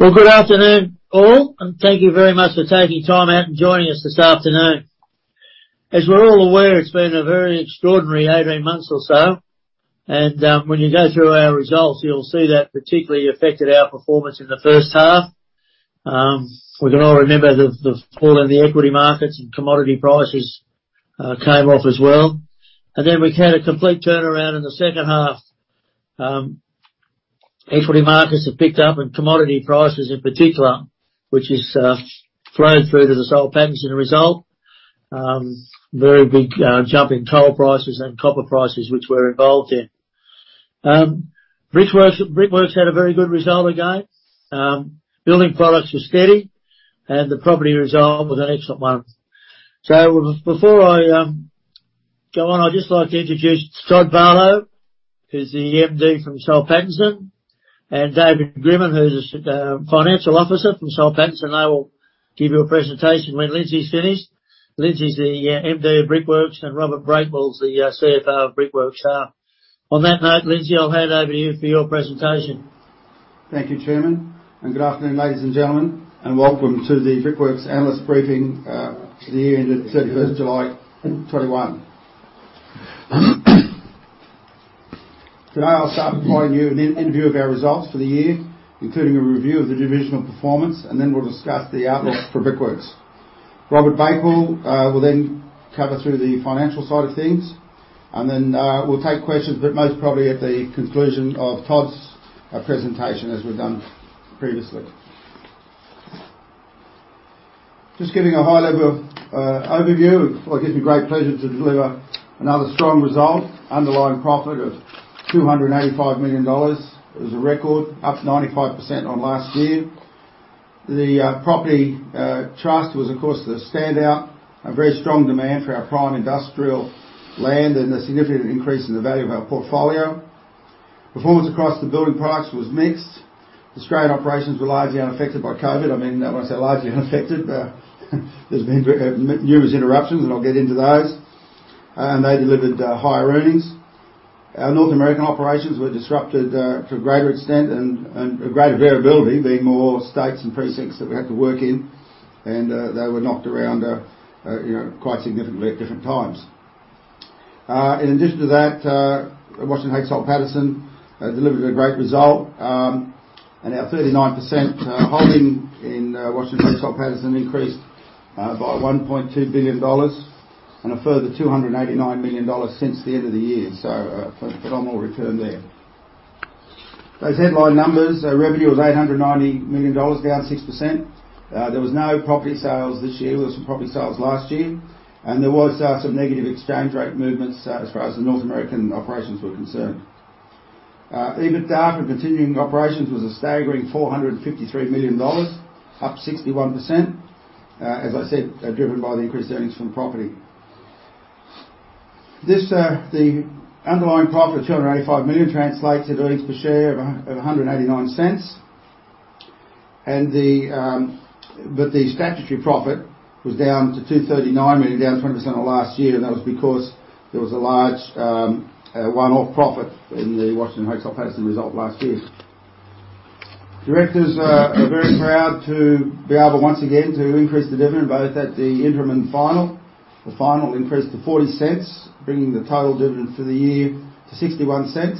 Well, good afternoon, all, and thank you very much for taking time out and joining us this afternoon. As we're all aware, it's been a very extraordinary 18 months or so, and when you go through our results, you'll see that particularly affected our performance in the first half. We can all remember the fall in the equity markets, and commodity prices came off as well. We've had a complete turnaround in the second half. Equity markets have picked up and commodity prices in particular, which has flowed through to the Soul Pattinson result. Very big jump in coal prices and copper prices, which we're involved in. Brickworks had a very good result again. Building products were steady, and the property result was an excellent one. Before I go on, I'd just like to introduce Todd Barlow, who's the Managing Director from Soul Pattinson, and David Grbin, who's the Financial Officer from Soul Pattinson. They will give you a presentation when Lindsay's finished. Lindsay is the Managing Director of Brickworks, and Robert Bakewell is the Chief Financial Officer of Brickworks. On that note, Lindsay, I'll hand over to you for your presentation. Thank you, Chairman. Good afternoon, ladies and gentlemen, and welcome to the Brickworks analyst briefing to the year ended July 31st, 2021. Today, I'll start by providing you an overview of our results for the year, including a review of the divisional performance, and then we'll discuss the outlook for Brickworks. Robert Bakewell will then cover through the financial side of things, and then we'll take questions, but most probably at the conclusion of Todd's presentation, as we've done previously. Just giving a high-level overview. Well, it gives me great pleasure to deliver another strong result. Underlying profit of 285 million dollars. It was a record, up 95% on last year. The property trust was, of course, the standout and very strong demand for our prime industrial land and a significant increase in the value of our portfolio. Performance across the building products was mixed. Australian operations were largely unaffected by COVID. When I say largely unaffected, there's been numerous interruptions, and I'll get into those. They delivered higher earnings. Our North American operations were disrupted to a greater extent and a greater variability, being more states and precincts that we had to work in. They were knocked around quite significantly at different times. In addition to that, Washington H. Soul Pattinson delivered a great result. Our 39% holding in Washington H. Soul Pattinson increased by 1.2 billion dollars and a further 289 million dollars since the end of the year. Phenomenal return there. Those headline numbers, revenue was 890 million dollars, down 6%. There was no property sales this year. There was some property sales last year, and there was some negative exchange rate movements as far as the North American operations were concerned. EBITDA for continuing operations was a staggering 453 million dollars, up 61%. As I said, driven by the increased earnings from property. The underlying profit of 285 million translates into earnings per share of 1.89. The statutory profit was down to 239 million, down 20% on last year. That was because there was a large one-off profit in the Washington H. Soul Pattinson result last year. Directors are very proud to be able, once again, to increase the dividend, both at the interim and final. The final increased to 0.40, bringing the total dividend for the year to 0.61.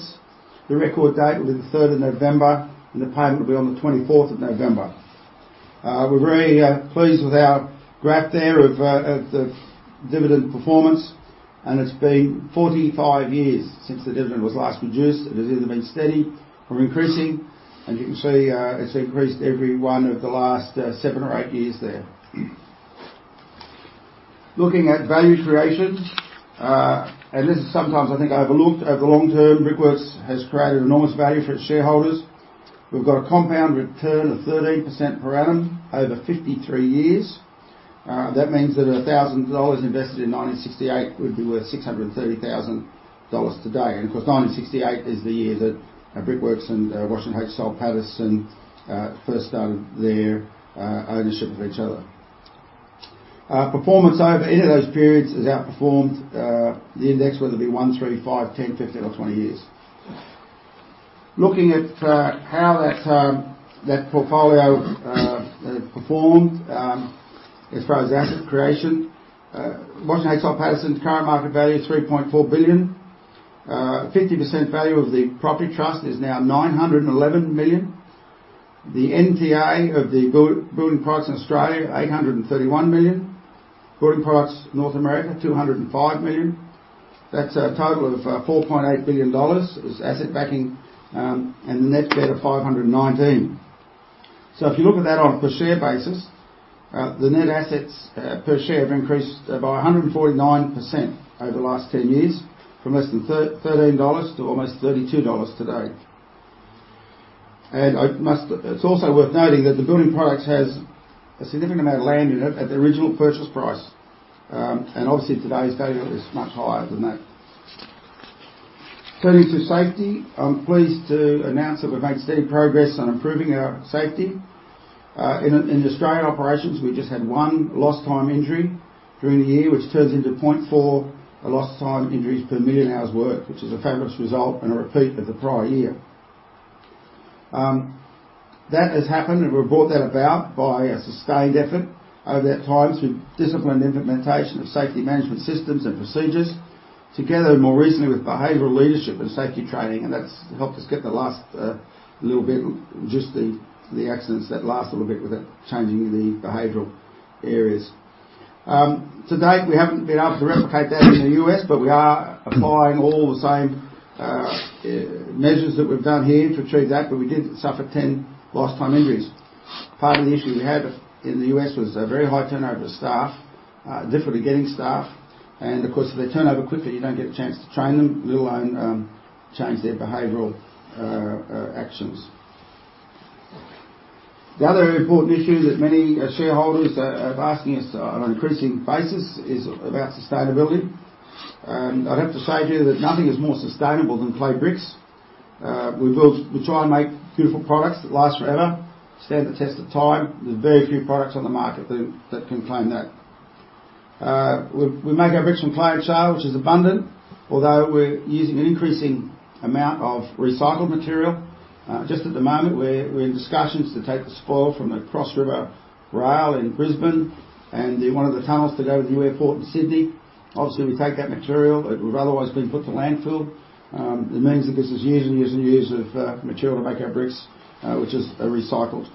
The record date will be November 3rd, and the payment will be on the November 24th. We're very pleased with our graph there of the dividend performance, and it's been 45 years since the dividend was last reduced. It has either been steady or increasing. You can see it's increased every one of the last seven or eight years there. Looking at value creation, this is sometimes I think overlooked, over the long term, Brickworks has created enormous value for its shareholders. We've got a compound return of 13% per annum over 53 years. That means that 1,000 dollars invested in 1968 would be worth 630,000 dollars today. Of course, 1968 is the year that Brickworks and Washington H. Soul Pattinson first started their ownership of each other. Performance over any of those periods has outperformed the index, whether it be one, three, five, 10 years, 15 yhears, or 20 years. Looking at how that portfolio performed as far as asset creation. Washington H. Soul Pattinson's current market value is 3.4 billion. 50% value of the property trust is now 911 million. The NTA of the building products in Australia, 831 million. Building products North America, 205 million. That's a total of 4.8 billion dollars asset backing and the net debt of 519 million. If you look at that on a per share basis, the net assets per share have increased by 149% over the last 10 years, from less than 13 dollars to almost 32 dollars today. It's also worth noting that the building products has a significant amount of land in it at the original purchase price. Obviously, today's value is much higher than that. Turning to safety, I'm pleased to announce that we've made steady progress on improving our safety. In Australian operations, we just had one lost time injury during the year, which turns into 0.4 lost time injuries per million hours worked, which is a fabulous result and a repeat of the prior year. That has happened, and we brought that about by a sustained effort over that time through disciplined implementation of safety management systems and procedures, together more recently with behavioral leadership and safety training, and that's helped us get the last little bit, reduce the accidents that last little bit with that changing in the behavioral areas. To date, we haven't been able to replicate that in the U.S., but we are applying all the same measures that we've done here to achieve that, but we did suffer 10 lost time injuries. Part of the issue we had in the U.S. was a very high turnover of staff, difficulty getting staff, and of course, if they turnover quickly, you don't get a chance to train them, let alone change their behavioral actions. The other important issue that many shareholders are asking us on an increasing basis is about sustainability. I'd have to say to you that nothing is more sustainable than clay bricks. We try and make beautiful products that last forever, stand the test of time. There's very few products on the market that can claim that. We make our bricks from clay and shale, which is abundant, although we're using an increasing amount of recycled material. Just at the moment, we're in discussions to take the spoil from the Cross River Rail in Brisbane and one of the tunnels to go to the new airport in Sydney. We take that material that would've otherwise been put to landfill. It means that this is years and years and years of material to make our bricks, which is recycled.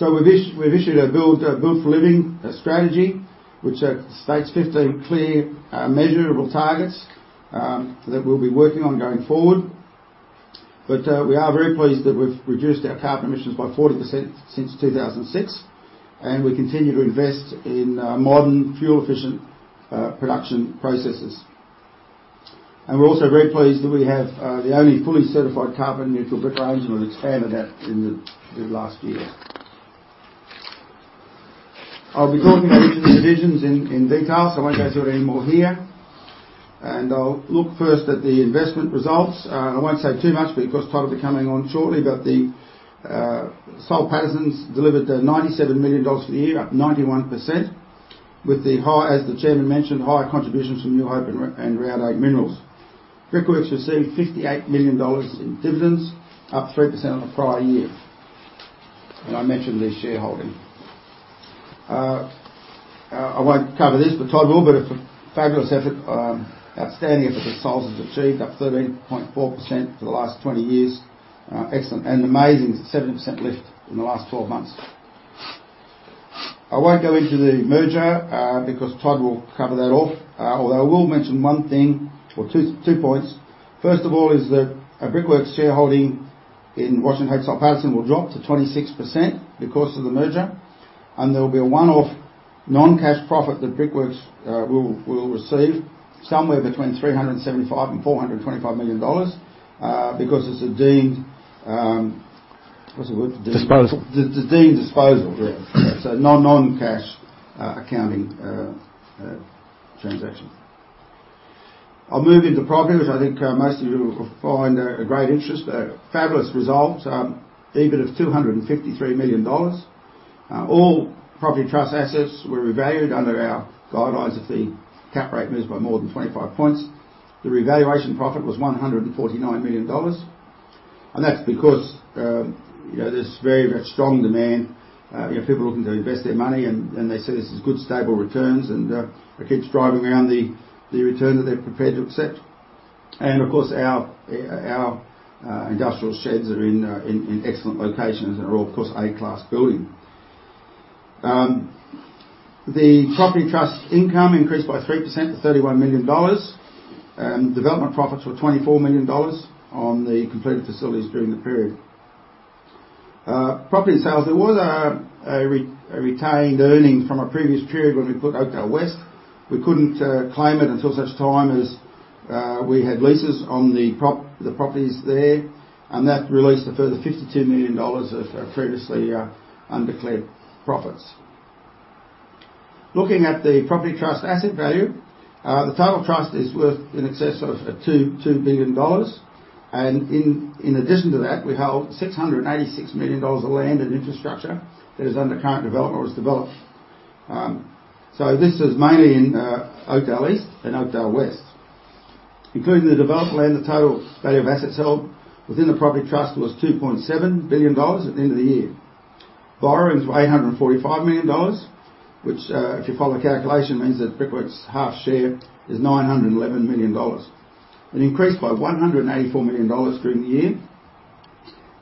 We've issued our Build for Living strategy, which states 15 clear, measurable targets that we'll be working on going forward. We are very pleased that we've reduced our carbon emissions by 40% since 2006, and we continue to invest in modern, fuel-efficient production processes. We're also very pleased that we have the only fully certified carbon neutral brick range, and we've expanded that in the last year. I'll be talking about each of the divisions in detail, so I won't go through it anymore here. I'll look first at the investment results. I won't say too much because Todd will be coming on shortly, but the Soul Pattinson delivered 97 million dollars for the year, up 91%, with, as the chairman mentioned, higher contributions from New Hope and Round Oak Minerals. Brickworks received 58 million dollars in dividends, up 3% on the prior year. I mentioned their shareholding. I won't cover this, but Todd will. A fabulous effort, outstanding effort that Soul has achieved, up 13.4% for the last 20 years. Excellent. Amazing, it's a 70% lift in the last 12 months. I won't go into the merger, because Todd will cover that off. I will mention one thing, or two points. First of all, is that our Brickworks shareholding in Washington H. Soul Pattinson will drop to 26% because of the merger, and there will be a one-off non-cash profit that Brickworks will receive somewhere between 375 million and 425 million dollars, because it's a deemed What's the word? Disposal. The deemed disposal, yeah. A non-cash accounting transaction. I'll move into property, which I think most of you will find a great interest. Fabulous results. EBIT of 253 million dollars. All property trust assets were revalued under our guidelines if the cap rate moves by more than 25 points. The revaluation profit was 149 million dollars. That's because there's very strong demand, people looking to invest their money, and they see this as good stable returns, and it keeps driving around the return that they're prepared to accept. Of course, our industrial sheds are in excellent locations and are all, of course, A-class building. The property trust income increased by 3% to 31 million dollars. Development profits were 24 million dollars on the completed facilities during the period. Property sales. There was a retained earning from a previous period when we put Oakdale West. We couldn't claim it until such time as we had leases on the properties there. That released a further 52 million dollars of previously undeclared profits. Looking at the property trust asset value, the total trust is worth in excess of 2 billion dollars. In addition to that, we hold 686 million dollars of land and infrastructure that is under current development or is developed. This is mainly in Oakdale East and Oakdale West. Including the development land, the total value of assets held within the property trust was 2.7 billion dollars at the end of the year. Borrowings were 845 million dollars, which, if you follow the calculation, means that Brickworks' half share is 911 million dollars. It increased by 184 million dollars during the year.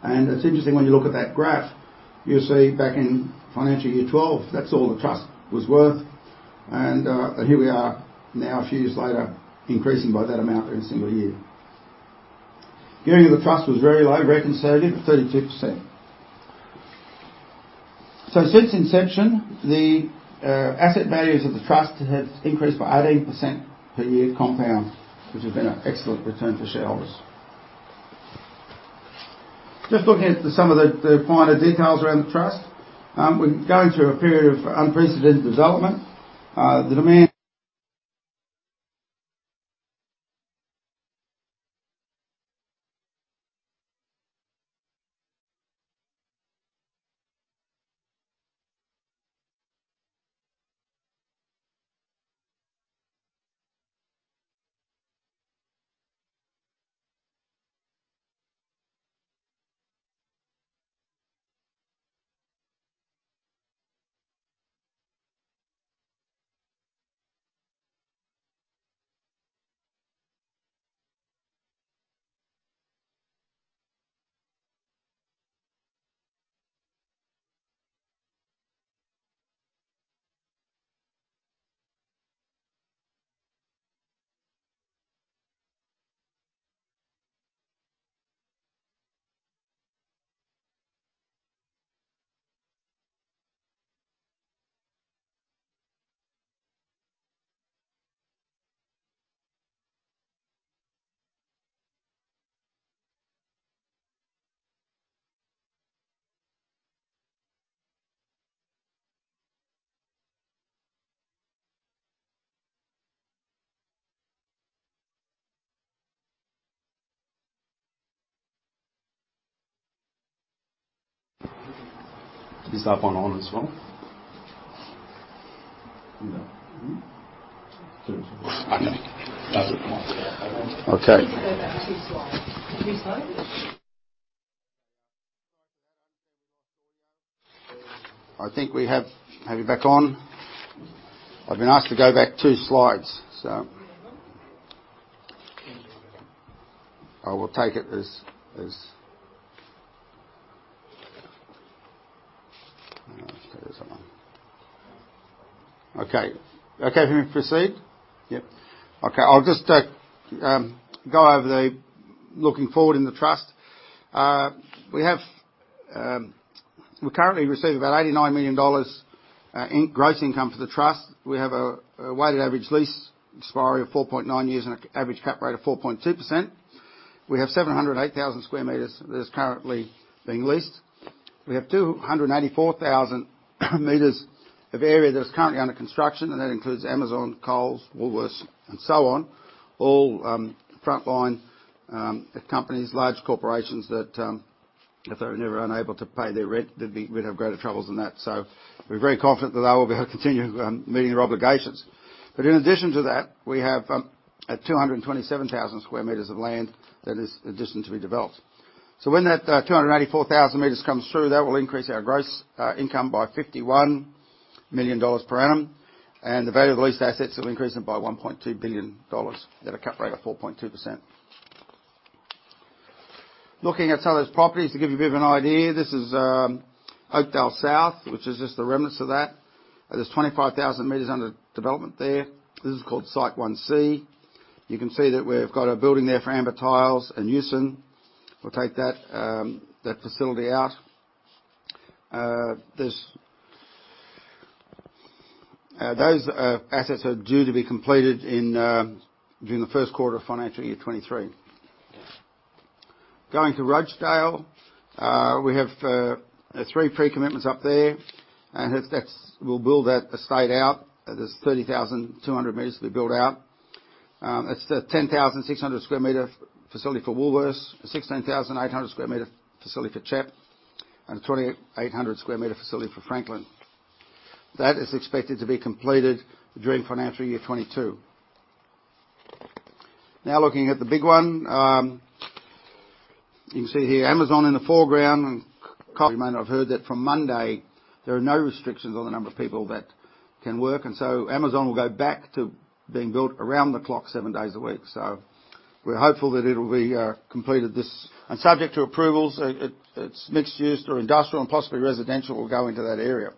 It's interesting when you look at that graph, you'll see back in financial year 2012, that's all the trust was worth. Here we are now a few years later, increasing by that amount every single year. Gearing of the trust was very low, conservative at 32%. Since inception, the asset values of the trust have increased by 18% per year compound, which has been an excellent return for shareholders. Just looking at some of the finer details around the trust. We're going through a period of unprecedented development. Is that one on as well? No. I know. That's it on. Okay. Can you go back two slides. two slides. I think we have it back on. I've been asked to go back two slides. Let's get this one. Okay. Okay if we proceed? Yep. Okay. I'll just go over the looking forward in the trust. We currently receive about 89 million dollars in gross income for the trust. We have a weighted average lease expiry of 4.9 years and an average cap rate of 4.2%. We have 708,000 sq m that is currently being leased. We have 284,000 meters of area that is currently under construction, and that includes Amazon, Coles, Woolworths, and so on. All frontline companies, large corporations, that if they were ever unable to pay their rent, we'd have greater troubles than that. We're very confident that they will be continuing meeting their obligations. In addition to that, we have 227,000 sq m of land that is addition to be developed. When that 284,000 meters comes through, that will increase our gross income by 51 million dollars per annum, and the value of the leased assets will increase by 1.2 billion dollars at a cap rate of 4.2%. Looking at some of those properties to give you a bit of an idea. This is Oakdale South, which is just the remnants of that. There's 25,000 meters under development there. This is called Site 1C. You can see that we've got a building there for Amber Tiles and Newsome. We'll take that facility out. Those assets are due to be completed during the first quarter of FY 2023. Going to Rochedale. We have three pre-commitments up there, and we'll build that estate out. There's 30,200 meters to be built out. It's the 10,600 sq m facility for Woolworths, a 16,800 sq m facility for CHEP, and a 2,800 sq m facility for Franklyn. That is expected to be completed during financial year 2022. Looking at the big one. You can see here Amazon in the foreground, you may not have heard that from Monday, there are no restrictions on the number of people that can work. Amazon will go back to being built around the clock, seven days a week. We're hopeful that it'll be completed. Subject to approvals, its mixed use or industrial and possibly residential will go into that area.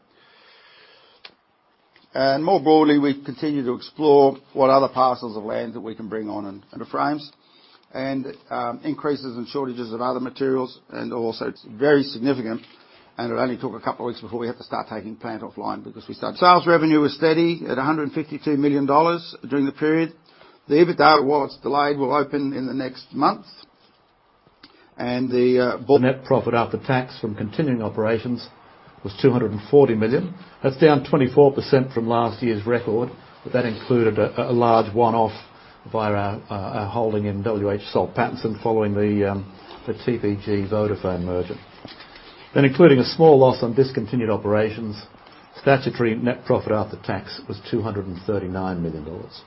More broadly, we continue to explore what other parcels of land that we can bring on under Frasers. Increases in shortages of other materials and also it's very significant, and it'll only took a couple of weeks before we have to start taking plant offline. Sales revenue was steady at 152 million dollars during the period. The EBITDA, while it's delayed, will open in the next month. The net profit after tax from continuing operations was 240 million. That's down 24% from last year's record, but that included a large one-off via our holding in WH Soul Pattinson following the TPG Vodafone merger. Including a small loss on discontinued operations. Statutory net profit after tax was 239 million dollars.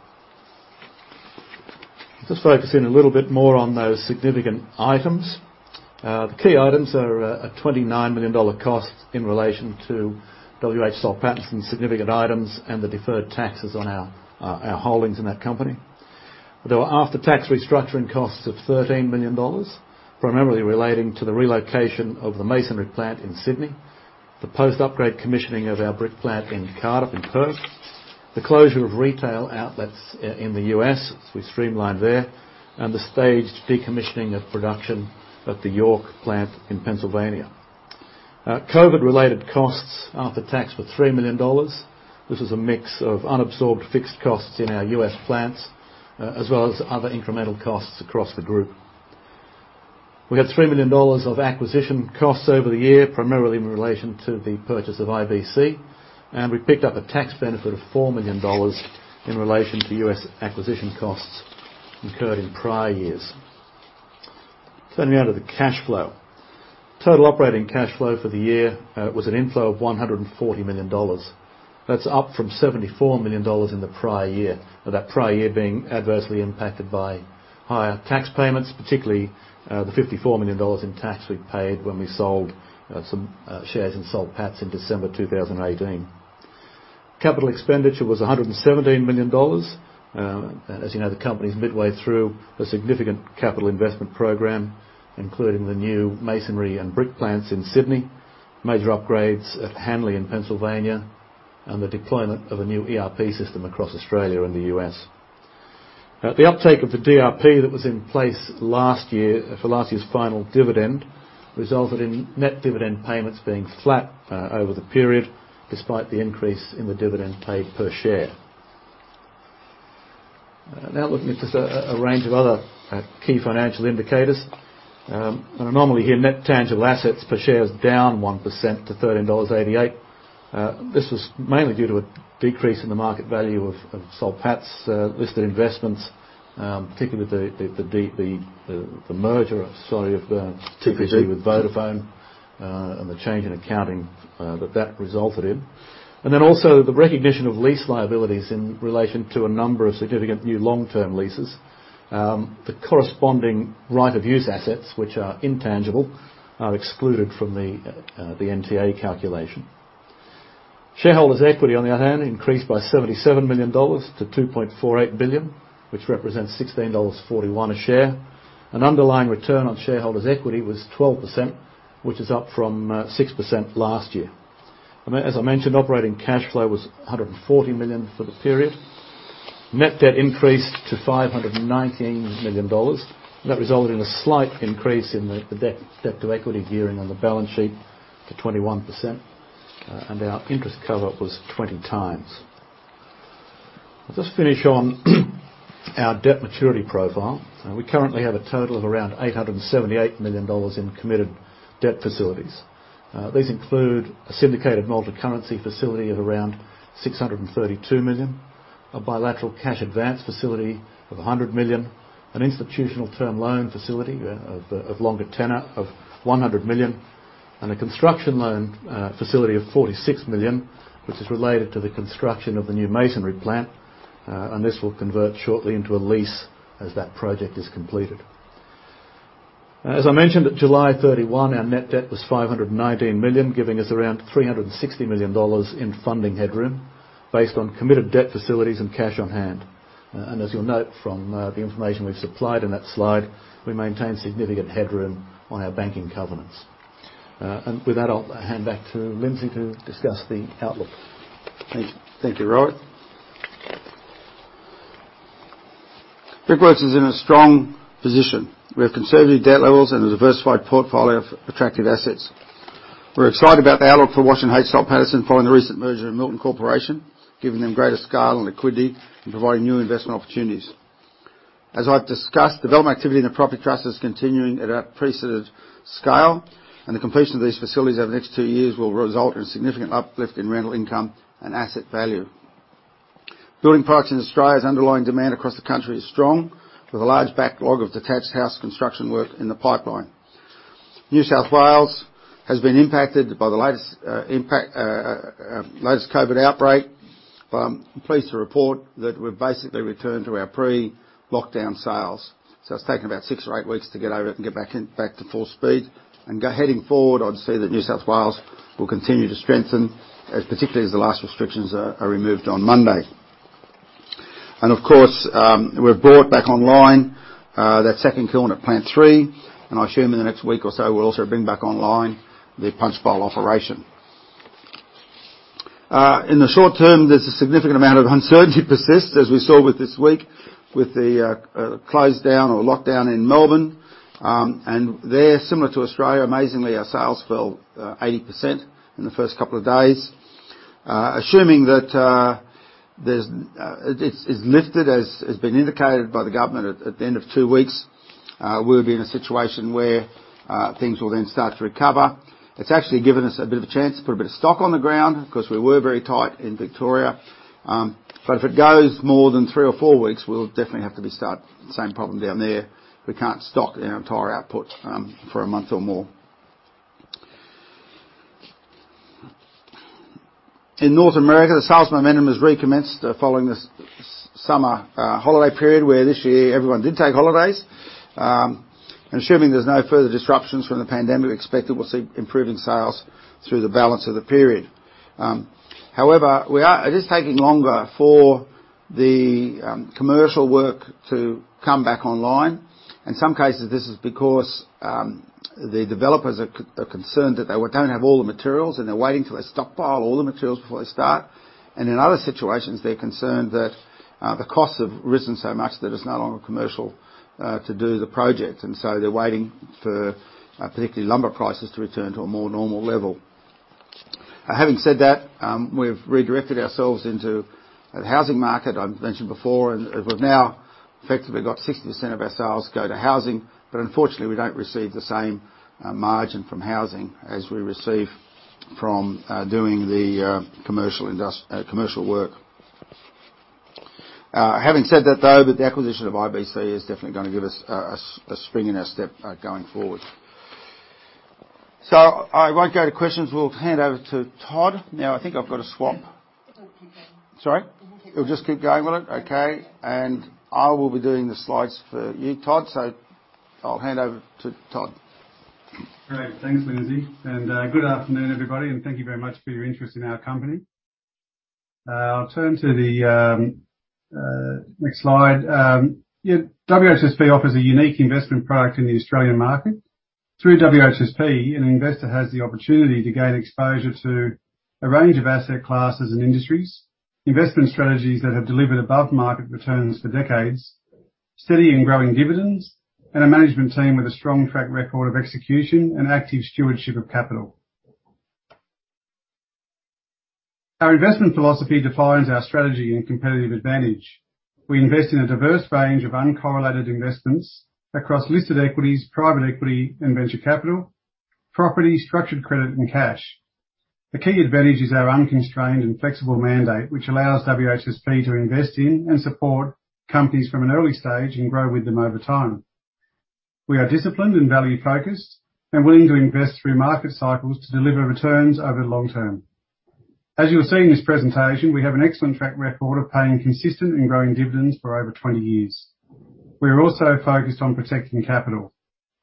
Just focusing a little bit more on those significant items. The key items are a 29 million dollar cost in relation to WH Soul Pattinson's significant items and the deferred taxes on our holdings in that company. There were after-tax restructuring costs of 13 million dollars. Primarily relating to the relocation of the masonry plant in Sydney, the post-upgrade commissioning of our brick plant in Cardup in Perth, the closure of retail outlets in the U.S. as we streamlined there, and the staged decommissioning of production at the York plant in Pennsylvania. COVID-related costs after tax were 3 million dollars. This was a mix of unabsorbed fixed costs in our U.S. plants, as well as other incremental costs across the group. We had 3 million dollars of acquisition costs over the year, primarily in relation to the purchase of IBC. We picked up a tax benefit of 4 million dollars in relation to U.S. acquisition costs incurred in prior years. Turning now to the cash flow. Total operating cash flow for the year was an inflow of 140 million dollars. That's up from 74 million dollars in the prior year. That prior year being adversely impacted by higher tax payments, particularly the 54 million dollars in tax we paid when we sold some shares in Soul Pattinson in December 2018. Capital expenditure was 117 million dollars. As you know, the company's midway through a significant capital investment program, including the new masonry and brick plants in Sydney, major upgrades at Hanley in Pennsylvania, and the deployment of a new ERP system across Australia and the U.S. The uptake of the DRP that was in place last year for last year's final dividend resulted in net dividend payments being flat over the period, despite the increase in the dividend paid per share. Normally here, net tangible assets per share is down 1% to 13.88 dollars. This was mainly due to a decrease in the market value of Soul Pattinson's listed investments, particularly with the merger of TPG with Vodafone, and the change in accounting that resulted in. Then also the recognition of lease liabilities in relation to a number of significant new long-term leases. The corresponding right of use assets, which are intangible, are excluded from the NTA calculation. Shareholders' equity, on the other hand, increased by 77 million dollars to 2.48 billion, which represents 16.41 dollars a share. An underlying return on shareholders' equity was 12%, which is up from 6% last year. As I mentioned, operating cash flow was 140 million for the period. Net debt increased to 519 million dollars. That resulted in a slight increase in the debt-to-equity gearing on the balance sheet to 21%, and our interest cover was 20x. I'll just finish on our debt maturity profile. We currently have a total of around 878 million dollars in committed debt facilities. These include a syndicated multi-currency facility of around 632 million, a bilateral cash advance facility of 100 million, an institutional term loan facility of longer tenor of 100 million, and a construction loan facility of 46 million, which is related to the construction of the new masonry plant. This will convert shortly into a lease as that project is completed. As I mentioned, at July 31, our net debt was 519 million, giving us around 360 million dollars in funding headroom based on committed debt facilities and cash on hand. As you'll note from the information we've supplied in that slide, we maintain significant headroom on our banking covenants. With that, I'll hand back to Lindsay to discuss the outlook. Thank you. Thank you, Rory. Brickworks is in a strong position. We have conservative debt levels and a diversified portfolio of attractive assets. We're excited about the outlook for Washington H. Soul Pattinson following the recent merger of Milton Corporation, giving them greater scale and liquidity and providing new investment opportunities. As I've discussed, development activity in the property trust is continuing at a unprecedented scale, and the completion of these facilities over the next two years will result in a significant uplift in rental income and asset value. Building products in Australia's underlying demand across the country is strong, with a large backlog of detached house construction work in the pipeline. New South Wales has been impacted by the latest COVID outbreak. I'm pleased to report that we've basically returned to our pre-lockdown sales. It's taken about six or eight weeks to get over it and get back to full speed. Heading forward, I'd say that New South Wales will continue to strengthen, particularly as the last restrictions are removed on Monday. Of course, we've brought back online that second kiln at Plant 3, and I assume in the next week or so, we'll also bring back online the Punchbowl operation. In the short term, there's a significant amount of uncertainty persists, as we saw with this week with the close down or lockdown in Melbourne. There, similar to Australia, amazingly, our sales fell 80% in the first couple of days. Assuming that it's lifted as has been indicated by the government at the end of two weeks, we'll be in a situation where things will then start to recover. It's actually given us a bit of a chance to put a bit of stock on the ground because we were very tight in Victoria. If it goes more than three or four weeks, we'll definitely have the same problem down there. We can't stock our entire output for a month or more. In North America, the sales momentum has recommenced following the summer holiday period where this year everyone did take holidays. Assuming there's no further disruptions from the pandemic, we expect that we'll see improving sales through the balance of the period. However, it is taking longer for the commercial work to come back online. In some cases, this is because the developers are concerned that they don't have all the materials, and they're waiting till they stockpile all the materials before they start. In other situations, they're concerned that the costs have risen so much that it's no longer commercial to do the project. They're waiting for, particularly lumber prices, to return to a more normal level. Having said that, we've redirected ourselves into the housing market. I've mentioned before, and we've now effectively got 60% of our sales go to housing. Unfortunately, we don't receive the same margin from housing as we receive from doing the commercial work. Having said that, though, the acquisition of IBC is definitely going to give us a spring in our step going forward. I won't go to questions. We'll hand over to Todd. Now, I think I've got to swap. You can keep going. Sorry? You can keep going. We'll just keep going with it? Okay. I will be doing the slides for you, Todd, so I'll hand over to Todd. Great. Thanks, Lindsay, and good afternoon, everybody, and thank you very much for your interest in our company. I'll turn to the next slide. WHSP offers a unique investment product in the Australian market. Through WHSP, an investor has the opportunity to gain exposure to a range of asset classes and industries, investment strategies that have delivered above-market returns for decades, steady and growing dividends, and a management team with a strong track record of execution and active stewardship of capital. Our investment philosophy defines our strategy and competitive advantage. We invest in a diverse range of uncorrelated investments across listed equities, private equity and venture capital, property, structured credit and cash. The key advantage is our unconstrained and flexible mandate, which allows WHSP to invest in and support companies from an early stage and grow with them over time. We are disciplined and value-focused and willing to invest through market cycles to deliver returns over the long term. As you'll see in this presentation, we have an excellent track record of paying consistent and growing dividends for over 20 years. We are also focused on protecting capital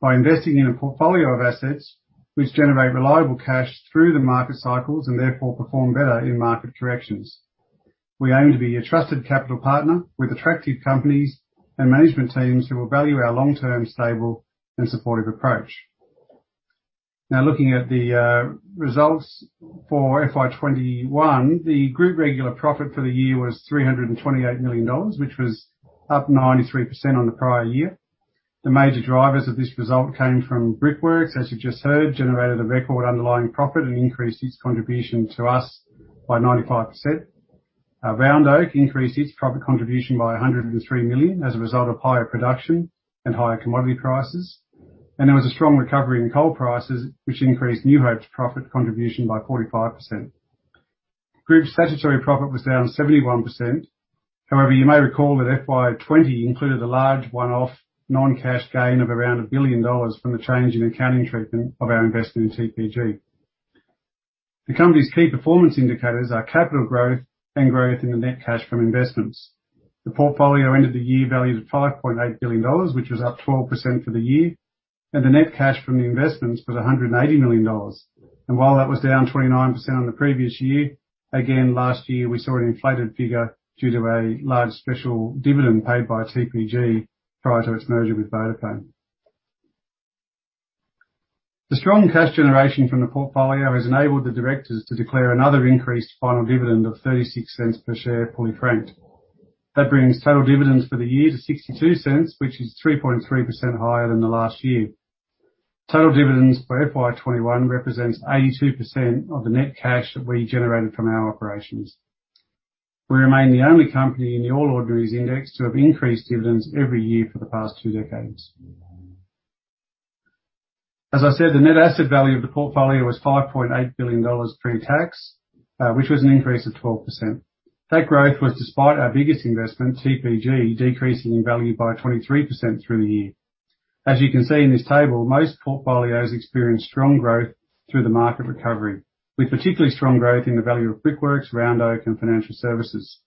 by investing in a portfolio of assets which generate reliable cash through the market cycles and therefore perform better in market corrections. We aim to be a trusted capital partner with attractive companies and management teams who will value our long-term, stable and supportive approach. Now looking at the results for FY 2021, the group regular profit for the year was 328 million dollars, which was up 93% on the prior year. The major drivers of this result came from Brickworks, as you've just heard, generated a record underlying profit and increased its contribution to us by 95%. Round Oak increased its profit contribution by 103 million as a result of higher production and higher commodity prices. There was a strong recovery in coal prices, which increased New Hope's profit contribution by 45%. Group statutory profit was down 71%. However, you may recall that FY 2020 included a large one-off non-cash gain of around 1 billion dollars from the change in accounting treatment of our investment in TPG. The company's key performance indicators are capital growth and growth in the net cash from investments. The portfolio ended the year valued at 5.8 billion dollars, which was up 12% for the year, and the net cash from the investments was 180 million dollars. While that was down 29% on the previous year, again, last year we saw an inflated figure due to a large special dividend paid by TPG prior to its merger with Vodafone. The strong cash generation from the portfolio has enabled the directors to declare another increased final dividend of 0.36 per share, fully franked. That brings total dividends for the year to 0.62, which is 3.3% higher than the last year. Total dividends for FY 2021 represents 82% of the net cash that we generated from our operations. We remain the only company in the All Ordinaries Index to have increased dividends every year for the past two decades. As I said, the net asset value of the portfolio was 5.8 billion dollars pre-tax, which was an increase of 12%. That growth was despite our biggest investment, TPG, decreasing in value by 23% through the year. As you can see in this table, most portfolios experienced strong growth through the market recovery, with particularly strong growth in the value of Brickworks, Round Oak and Financial Services.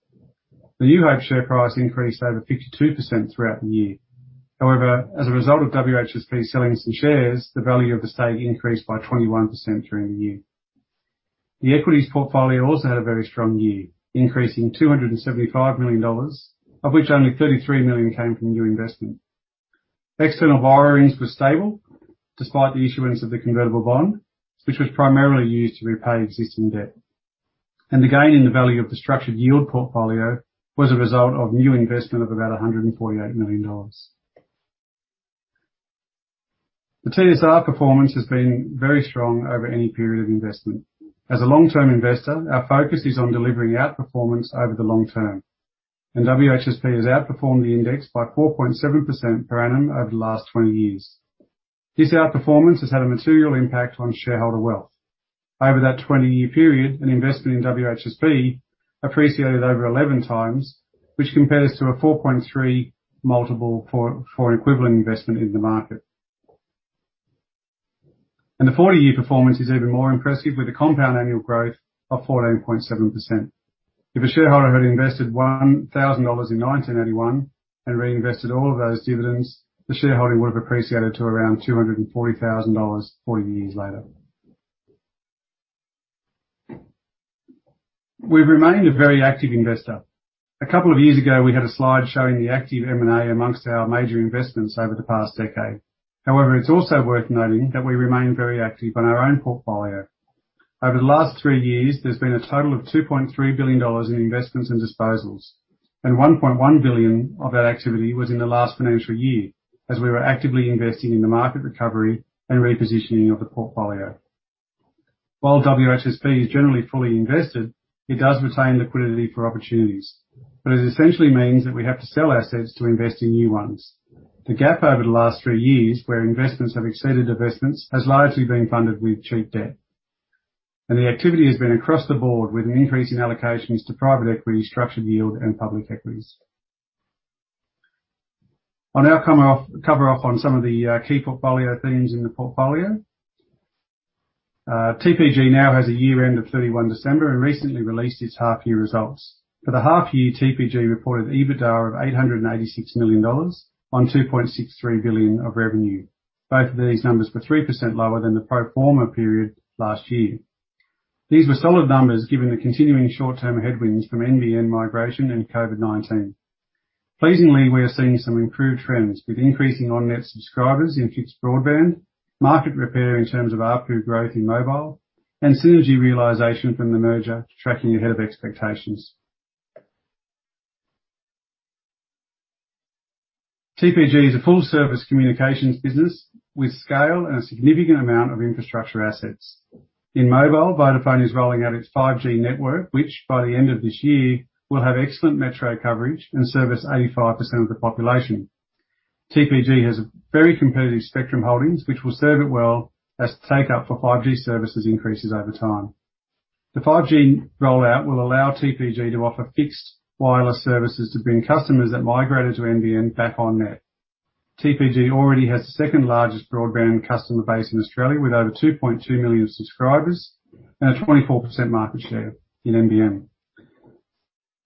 The New Hope share price increased over 52% throughout the year. However, as a result of WHSP selling some shares, the value of the stake increased by 21% during the year. The equities portfolio also had a very strong year, increasing 275 million dollars, of which only 33 million came from new investment. External borrowings were stable despite the issuance of the convertible bond, which was primarily used to repay existing debt. The gain in the value of the structured yield portfolio was a result of new investment of about 148 million dollars. The TSR performance has been very strong over any period of investment. As a long-term investor, our focus is on delivering outperformance over the long term, WHSP has outperformed the index by 4.7% per annum over the last 20 years. This outperformance has had a material impact on shareholder wealth. Over that 20-year period, an investment in WHSP appreciated over 11x, which compares to a 4.3x multiple for equivalent investment in the market. The 40-year performance is even more impressive with a compound annual growth of 14.7%. If a shareholder had invested 1,000 dollars in 1981 and reinvested all of those dividends, the shareholding would have appreciated to around 240,000 dollars 40 years later. We've remained a very active investor. A couple of years ago, we had a slide showing the active M&A amongst our major investments over the past decade. It's also worth noting that we remain very active on our own portfolio. Over the last three years, there's been a total of 2.3 billion dollars in investments and disposals. 1.1 billion of that activity was in the last financial year, as we were actively investing in the market recovery and repositioning of the portfolio. While WHSP is generally fully invested, it does retain liquidity for opportunities, it essentially means that we have to sell assets to invest in new ones. The gap over the last three years where investments have exceeded divestments has largely been funded with cheap debt. The activity has been across the board with an increase in allocations to private equity, structured yield and public equities. I'll now cover off on some of the key portfolio themes in the portfolio. TPG now has a year-end of December 31st and recently released its half-year results. For the half-year, TPG reported EBITDA of 886 million dollars on 2.63 billion of revenue. Both of these numbers were 3% lower than the pro forma period last year. These were solid numbers given the continuing short-term headwinds from NBN migration and COVID-19. Pleasingly, we are seeing some improved trends with increasing on-net subscribers in fixed broadband, market repair in terms of ARPU growth in mobile, and synergy realization from the merger tracking ahead of expectations. TPG is a full-service communications business with scale and a significant amount of infrastructure assets. In mobile, Vodafone is rolling out its 5G network, which by the end of this year, will have excellent metro coverage and service 85% of the population. TPG has very competitive spectrum holdings, which will serve it well as take-up for 5G services increases over time. The 5G rollout will allow TPG to offer fixed wireless services to bring customers that migrated to NBN back on net. TPG already has the second-largest broadband customer base in Australia with over 2.2 million subscribers and a 24% market share in NBN.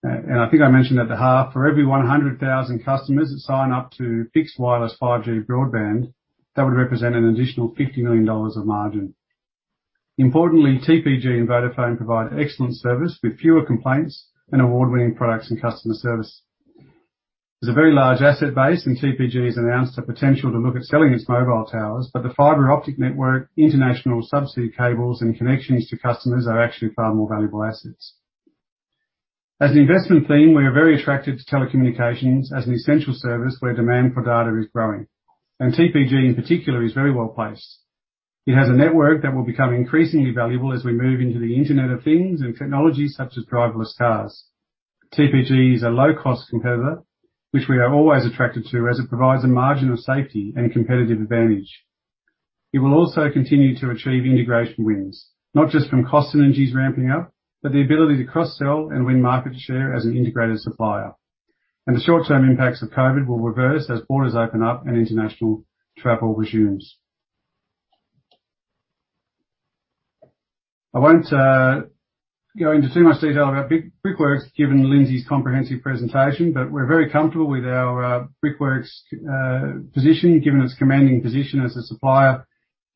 I think I mentioned at the half, for every 100,000 customers that sign up to fixed wireless 5G broadband, that would represent an additional 50 million dollars of margin. Importantly, TPG and Vodafone provide excellent service with fewer complaints and award-winning products and customer service. There's a very large asset base, and TPG has announced a potential to look at selling its mobile towers, but the fiber optic network, international subsidy cables and connections to customers are actually far more valuable assets. As an investment theme, we are very attracted to telecommunications as an essential service where demand for data is growing, and TPG in particular is very well-placed. It has a network that will become increasingly valuable as we move into the Internet of Things and technologies such as driverless cars. TPG is a low-cost competitor, which we are always attracted to as it provides a margin of safety and competitive advantage. It will also continue to achieve integration wins, not just from cost synergies ramping up, but the ability to cross-sell and win market share as an integrated supplier. The short-term impacts of COVID will reverse as borders open up and international travel resumes. I won't go into too much detail about Brickworks given Lindsay's comprehensive presentation, but we're very comfortable with our Brickworks positioning, given its commanding position as a supplier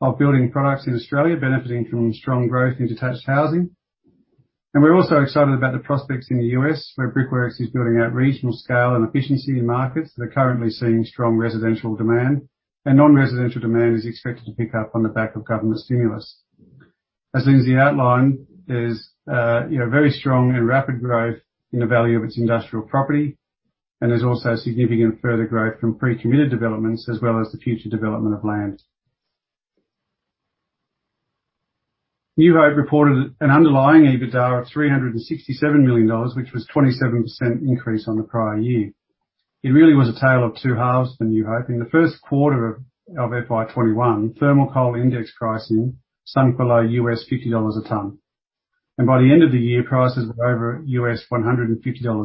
of building products in Australia, benefiting from strong growth in detached housing. We're also excited about the prospects in the U.S., where Brickworks is building out regional scale and efficiency in markets that are currently seeing strong residential demand. Non-residential demand is expected to pick up on the back of government stimulus. As Lindsay outlined, there's very strong and rapid growth in the value of its industrial property, and there's also significant further growth from pre-committed developments as well as the future development of land. New Hope reported an underlying EBITDA of 367 million dollars, which was 27% increase on the prior year. It really was a tale of two halves for New Hope. In the first quarter of FY 2021, thermal coal index pricing sunk below US$50 a tonne. By the end of the year, prices were over US$150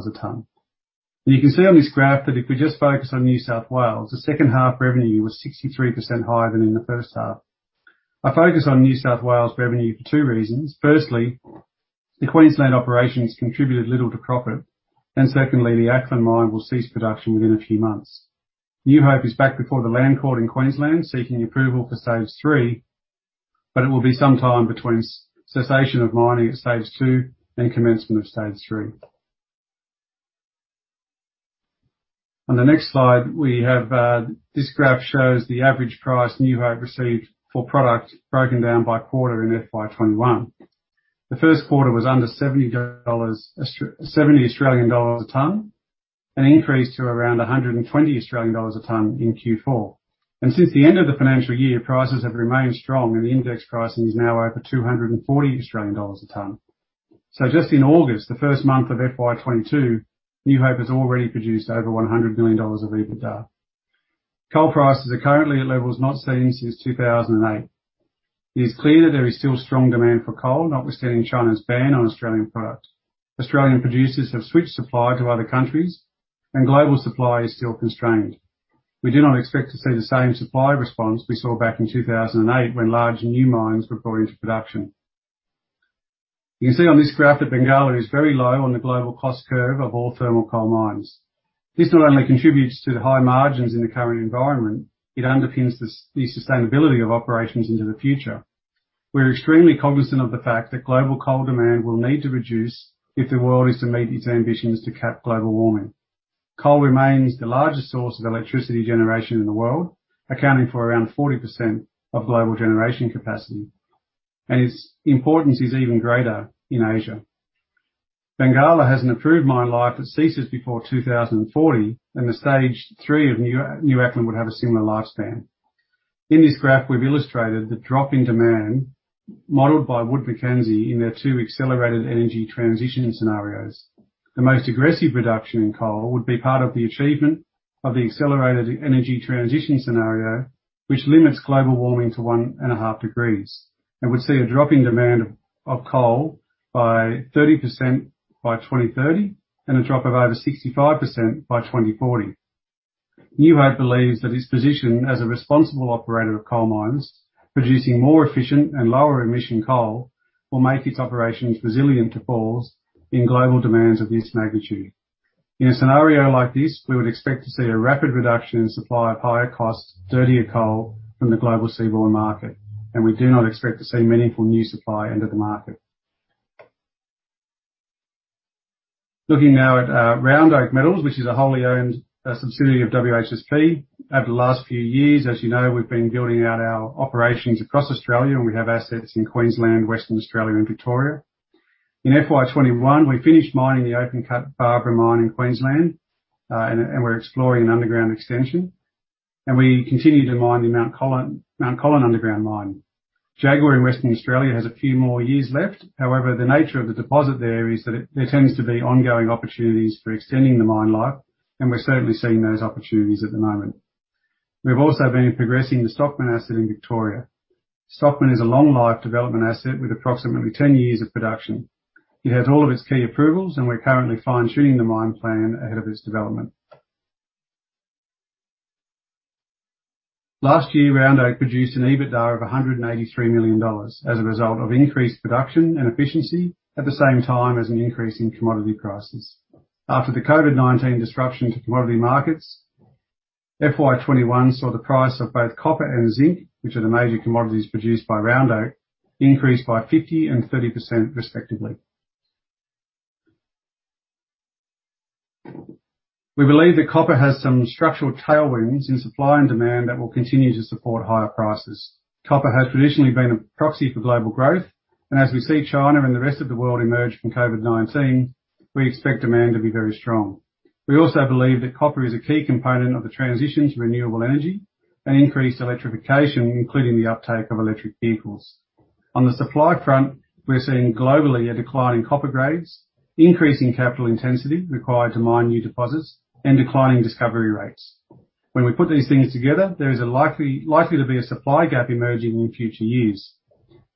a tonne. You can see on this graph that if we just focus on New South Wales, the second half revenue was 63% higher than in the first half. I focus on New South Wales revenue for two reasons. Firstly, the Queensland operations contributed little to profit. Secondly, the Acland mine will cease production within a few months. New Hope is back before the land court in Queensland seeking approval for Stage 3, but it will be some time between cessation of mining at Stage 2 and commencement of Stage 3. On the next slide, we have, this graph shows the average price New Hope received for product broken down by quarter in FY 2021. The first quarter was under AUD 70 a tonne, and increased to around 120 Australian dollars a tonne in Q4. Since the end of the financial year, prices have remained strong and the index pricing is now over 240 Australian dollars a tonne. Just in August, the first month of FY 2022, New Hope has already produced over 100 million dollars of EBITDA. Coal prices are currently at levels not seen since 2008. It is clear that there is still strong demand for coal, notwithstanding China's ban on Australian product. Australian producers have switched supply to other countries, and global supply is still constrained. We do not expect to see the same supply response we saw back in 2008 when large new mines were coming to production. You can see on this graph that Bengalla is very low on the global cost curve of all thermal coal mines. This not only contributes to the high margins in the current environment, it underpins the sustainability of operations into the future. We're extremely cognizant of the fact that global coal demand will need to reduce if the world is to meet its ambitions to cap global warming. Coal remains the largest source of electricity generation in the world, accounting for around 40% of global generation capacity. Its importance is even greater in Asia. Bengalla has an approved mine life that ceases before 2040, and the Stage 3 of New Acland would have a similar lifespan. In this graph, we've illustrated the drop in demand modeled by Wood Mackenzie in their two accelerated energy transition scenarios. The most aggressive reduction in coal would be part of the achievement of the accelerated energy transition scenario, which limits global warming to 1.5 Degrees, and would see a drop in demand of coal by 30% by 2030, and a drop of over 65% by 2040. New Hope believes that its position as a responsible operator of coal mines producing more efficient and lower emission coal will make its operations resilient to falls in global demands of this magnitude. In a scenario like this, we would expect to see a rapid reduction in supply of higher cost, dirtier coal from the global seaborne market, and we do not expect to see meaningful new supply into the market. Looking now at Round Oak Metals, which is a wholly owned subsidiary of WHSP. Over the last few years, as you know, we've been building out our operations across Australia, and we have assets in Queensland, Western Australia and Victoria. In FY 2021, we finished mining the open cut Barbara mine in Queensland, and we're exploring an underground extension. We continue to mine the Mount Colin underground mine. Jaguar in Western Australia has a few more years left. However, the nature of the deposit there is that there tends to be ongoing opportunities for extending the mine life, and we're certainly seeing those opportunities at the moment. We've also been progressing the Stockman asset in Victoria. Stockman is a long life development asset with approximately 10 years of production. It has all of its key approvals, and we're currently fine-tuning the mine plan ahead of its development. Last year, Round Oak produced an EBITDA of 183 million dollars as a result of increased production and efficiency at the same time as an increase in commodity prices. After the COVID-19 disruption to commodity markets, FY 2021 saw the price of both copper and zinc, which are the major commodities produced by Round Oak, increase by 50% and 30% respectively. We believe that copper has some structural tailwinds in supply and demand that will continue to support higher prices. Copper has traditionally been a proxy for global growth, and as we see China and the rest of the world emerge from COVID-19, we expect demand to be very strong. We also believe that copper is a key component of the transition to renewable energy and increased electrification, including the uptake of electric vehicles. On the supply front, we're seeing globally a decline in copper grades, increase in capital intensity required to mine new deposits, and declining discovery rates. When we put these things together, there is likely to be a supply gap emerging in future years.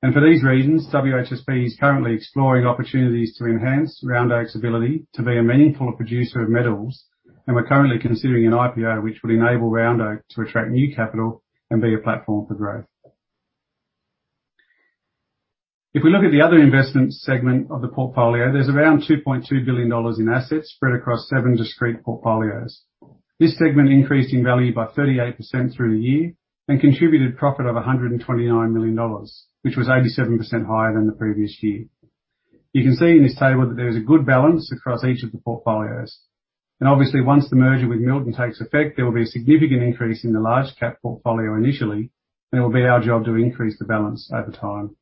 For these reasons, WHSP is currently exploring opportunities to enhance Round Oak's ability to be a meaningful producer of metals, and we're currently considering an IPO which will enable Round Oak to attract new capital and be a platform for growth. If we look at the other investment segment of the portfolio, there is around 2.2 billion dollars in assets spread across seven discrete portfolios. This segment increased in value by 38% through the year and contributed profit of 129 million dollars, which was 87% higher than the previous year. You can see in this table that there is a good balance across each of the portfolios. Obviously, once the merger with Milton takes effect, there will be a significant increase in the large cap portfolio initially, and it will be our job to increase the balance over time.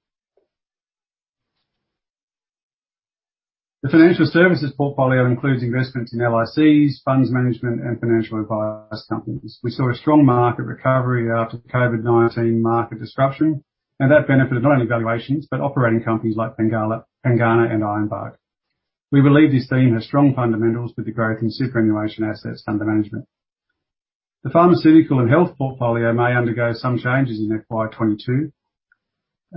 The financial services portfolio includes investments in LICs, funds management and financial advice companies. We saw a strong market recovery after the COVID-19 market disruption, and that benefited not only valuations, but operating companies like Pengana and Ironbark. We believe this theme has strong fundamentals with the growth in superannuation assets under management. The pharmaceutical and health portfolio may undergo some changes in FY 2022.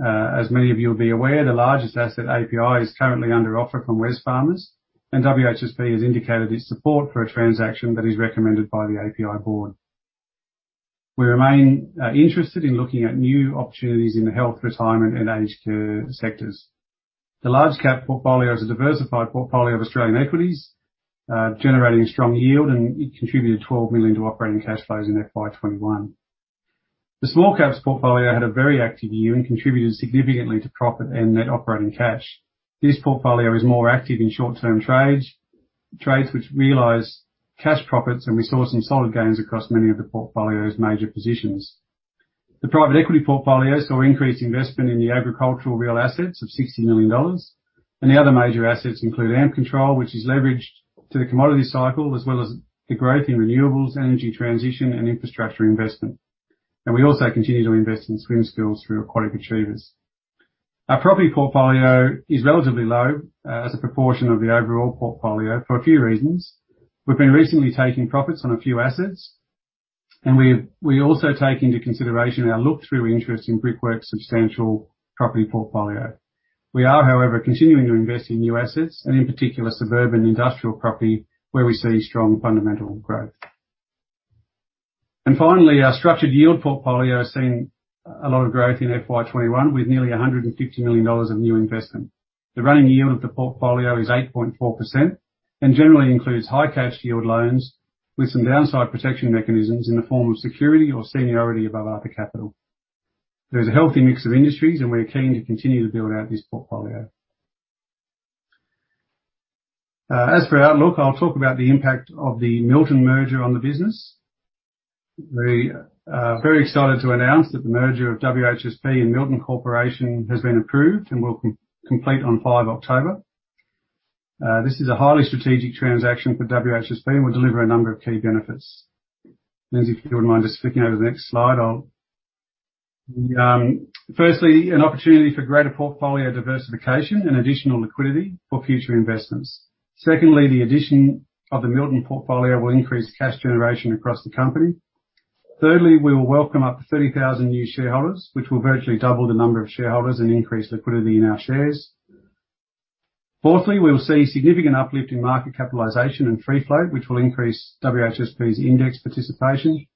As many of you will be aware, the largest asset, API, is currently under offer from Wesfarmers, and WHSP has indicated its support for a transaction that is recommended by the API board. We remain interested in looking at new opportunities in the health, retirement and aged care sectors. The large cap portfolio is a diversified portfolio of Australian equities, generating strong yield, and it contributed 12 million to operating cash flows in FY 2021. The small caps portfolio had a very active year and contributed significantly to profit and net operating cash. This portfolio is more active in short-term trades which realize cash profits, and we saw some solid gains across many of the portfolio's major positions. The private equity portfolio saw increased investment in the agricultural real assets of 60 million dollars, and the other major assets include Ampcontrol, which is leveraged to the commodity cycle, as well as the growth in renewables, energy transition and infrastructure investment. We also continue to invest in swim skills through Aquatic Achievers. Our property portfolio is relatively low as a proportion of the overall portfolio for a few reasons. We've been recently taking profits on a few assets, and we also take into consideration our look-through interest in Brickworks' substantial property portfolio. We are, however, continuing to invest in new assets, and in particular, suburban industrial property where we see strong fundamental growth. Finally, our structured yield portfolio has seen a lot of growth in FY 2021 with nearly 150 million dollars of new investment. The running yield of the portfolio is 8.4% and generally includes high cash yield loans with some downside protection mechanisms in the form of security or seniority above other capital. There is a healthy mix of industries. We are keen to continue to build out this portfolio. As for outlook, I'll talk about the impact of the Milton merger on the business. We're very excited to announce that the merger of WHSP and Milton Corporation has been approved and will complete on October 5. This is a highly strategic transaction for WHSP and will deliver a number of key benefits. Lindsay, if you wouldn't mind just flicking over to the next slide. Firstly, an opportunity for greater portfolio diversification and additional liquidity for future investments. Secondly, the addition of the Milton portfolio will increase cash generation across the company. Thirdly, we will welcome up to 30,000 new shareholders, which will virtually double the number of shareholders and increase liquidity in our shares. Fourthly, we'll see significant uplift in market capitalization and free-float, which will increase WHSP's index participation.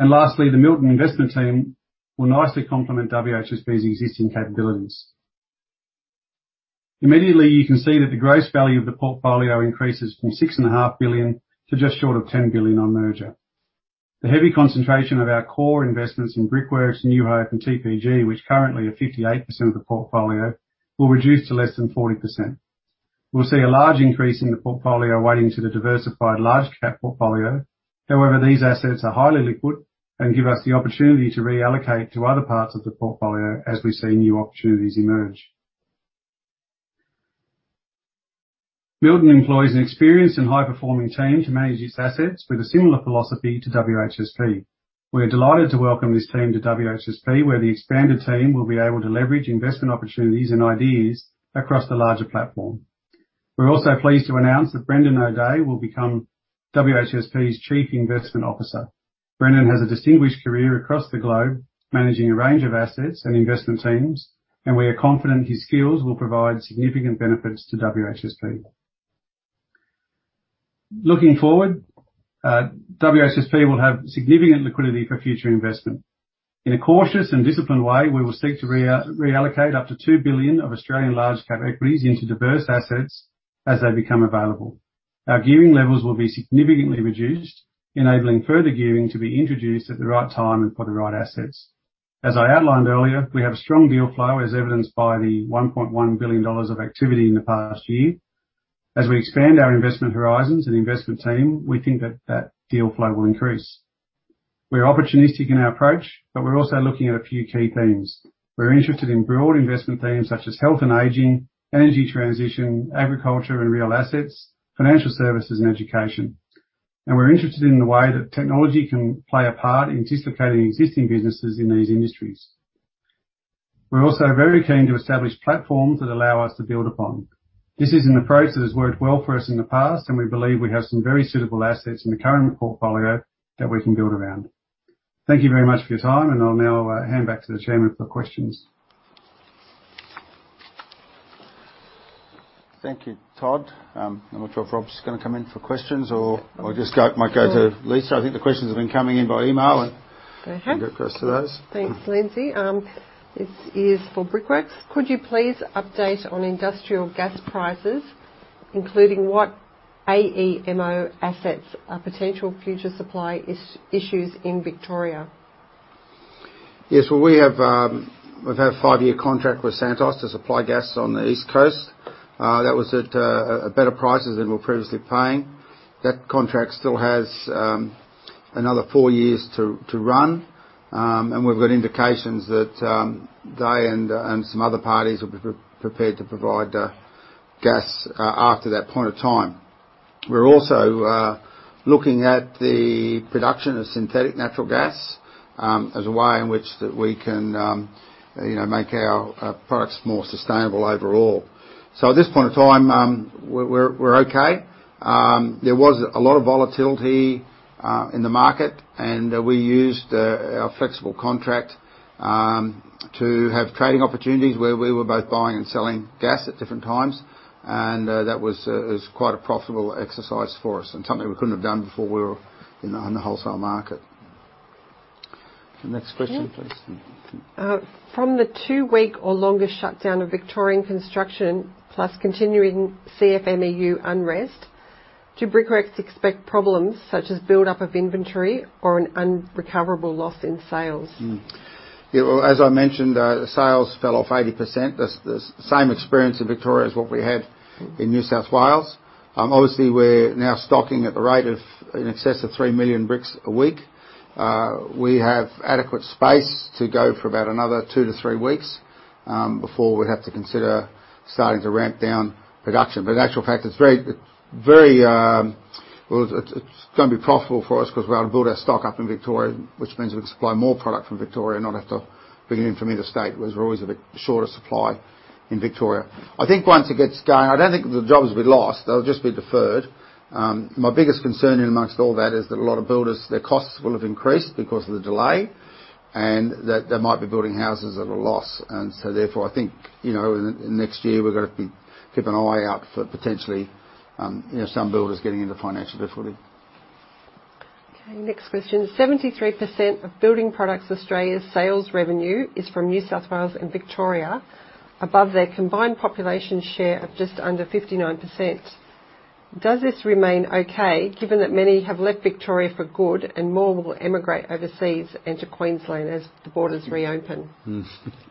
Lastly, the Milton investment team will nicely complement WHSP's existing capabilities. Immediately, you can see that the gross value of the portfolio increases from 6.5 billion to just short of 10 billion on merger. The heavy concentration of our core investments in Brickworks, New Hope, and TPG, which currently are 58% of the portfolio, will reduce to less than 40%. We'll see a large increase in the portfolio weighting to the diversified large cap portfolio. However, these assets are highly liquid and give us the opportunity to reallocate to other parts of the portfolio as we see new opportunities emerge. Milton employs an experienced and high-performing team to manage its assets with a similar philosophy to WHSP. We're delighted to welcome this team to WHSP, where the expanded team will be able to leverage investment opportunities and ideas across the larger platform. We're also pleased to announce that Brendan O'Dea will become WHSP's Chief Investment Officer. Brendan has a distinguished career across the globe managing a range of assets and investment teams, and we are confident his skills will provide significant benefits to WHSP. Looking forward, WHSP will have significant liquidity for future investment. In a cautious and disciplined way, we will seek to reallocate up to 2 billion of Australian large cap equities into diverse assets as they become available. Our gearing levels will be significantly reduced, enabling further gearing to be introduced at the right time and for the right assets. As I outlined earlier, we have a strong deal flow, as evidenced by the 1.1 billion dollars of activity in the past year. As we expand our investment horizons and investment team, we think that that deal flow will increase. We're opportunistic in our approach, but we're also looking at a few key themes. We're interested in broad investment themes such as health and aging, energy transition, agriculture and real assets, financial services, and education. We're interested in the way that technology can play a part in disrupting existing businesses in these industries. We're also very keen to establish platforms that allow us to build upon. This is an approach that has worked well for us in the past, and we believe we have some very suitable assets in the current portfolio that we can build around. Thank you very much for your time, and I'll now hand back to the Chairman for questions. Thank you, Todd. I'm not sure if Rob's going to come in for questions or I might go to Lisa. I think the questions have been coming in by email. Go ahead. We could go as to those. Thanks, Lindsay. This is for Brickworks. Could you please update on industrial gas prices, including what AEMO assesses are potential future supply issues in Victoria? Well, we've had a five-year contract with Santos to supply gas on the East Coast. That was at better prices than we're previously paying. That contract still has another four years to run. We've got indications that they and some other parties will be prepared to provide gas after that point of time. We're also looking at the production of synthetic natural gas as a way in which that we can make our products more sustainable overall. At this point of time, we're okay. There was a lot of volatility in the market. We used our flexible contract to have trading opportunities where we were both buying and selling gas at different times. That was quite a profitable exercise for us and something we couldn't have done before we were in the wholesale market. The next question, please. From the two-week or longer shutdown of Victorian construction plus continuing CFMEU unrest, do Brickworks expect problems such as build-up of inventory or an unrecoverable loss in sales? Yeah. Well, as I mentioned, the sales fell off 80%. The same experience in Victoria as what we had in New South Wales. Obviously, we're now stocking at the rate of in excess of three million bricks a week. We have adequate space to go for about another two to three weeks before we have to consider starting to ramp down production. In actual fact, it's going to be profitable for us because we're able to build our stock up in Victoria, which means we can supply more product from Victoria, not have to bring it in from interstate, whereas we're always a bit shorter supply in Victoria. I think once it gets going, I don't think the jobs will be lost. They'll just be deferred. My biggest concern in amongst all that is that a lot of builders, their costs will have increased because of the delay and that they might be building houses at a loss. Therefore, I think, in the next year, we've got to keep an eye out for potentially some builders getting into financial difficulty. Okay, next question. 73% of Building Products Australia's sales revenue is from New South Wales and Victoria, above their combined population share of just under 59%. Does this remain okay given that many have left Victoria for good and more will emigrate overseas into Queensland as the borders reopen?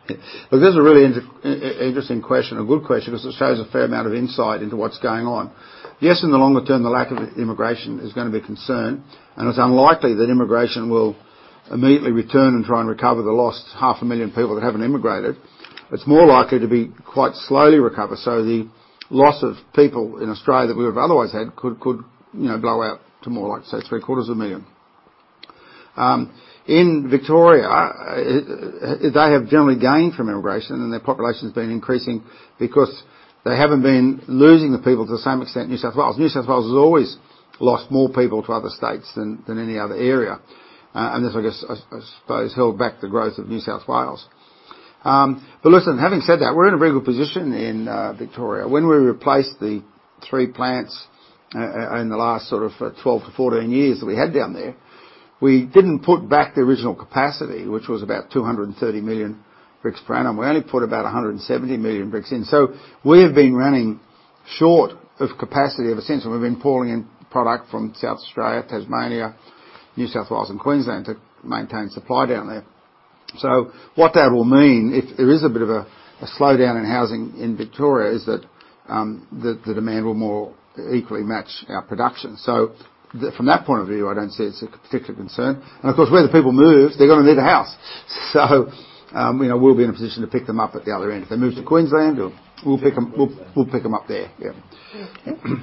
Look, that's a really interesting question, a good question, because it shows a fair amount of insight into what's going on. Yes, in the longer term, the lack of immigration is going to be a concern, and it's unlikely that immigration will immediately return and try and recover the lost 500,000 people that have now emigrated. It's more likely to be quite slowly recovered. The loss of people in Australia that we would have otherwise had could blow out to more like, say, 750,000 people. In Victoria, they have generally gained from immigration, and their population's been increasing because they haven't been losing the people to the same extent as New South Wales. New South Wales has always lost more people to other states than any other area. This, I suppose, held back the growth of New South Wales. Listen, having said that, we're in a very good position in Victoria. When we replaced the three plants in the last sort of 12 years-14 years that we had down there, we didn't put back the original capacity, which was about 230 million bricks per annum. We only put about 170 million bricks in. We've been running short of capacity ever since, and we've been pulling in product from South Australia, Tasmania, New South Wales, and Queensland to maintain supply down there. What that will mean if there is a bit of a slowdown in housing in Victoria is that the demand will more equally match our production. From that point of view, I don't see it's a particular concern. Of course, where the people move, they're going to need a house. We'll be in a position to pick them up at the other end. If they move to Queensland, we'll pick them up there. Yeah. Okay.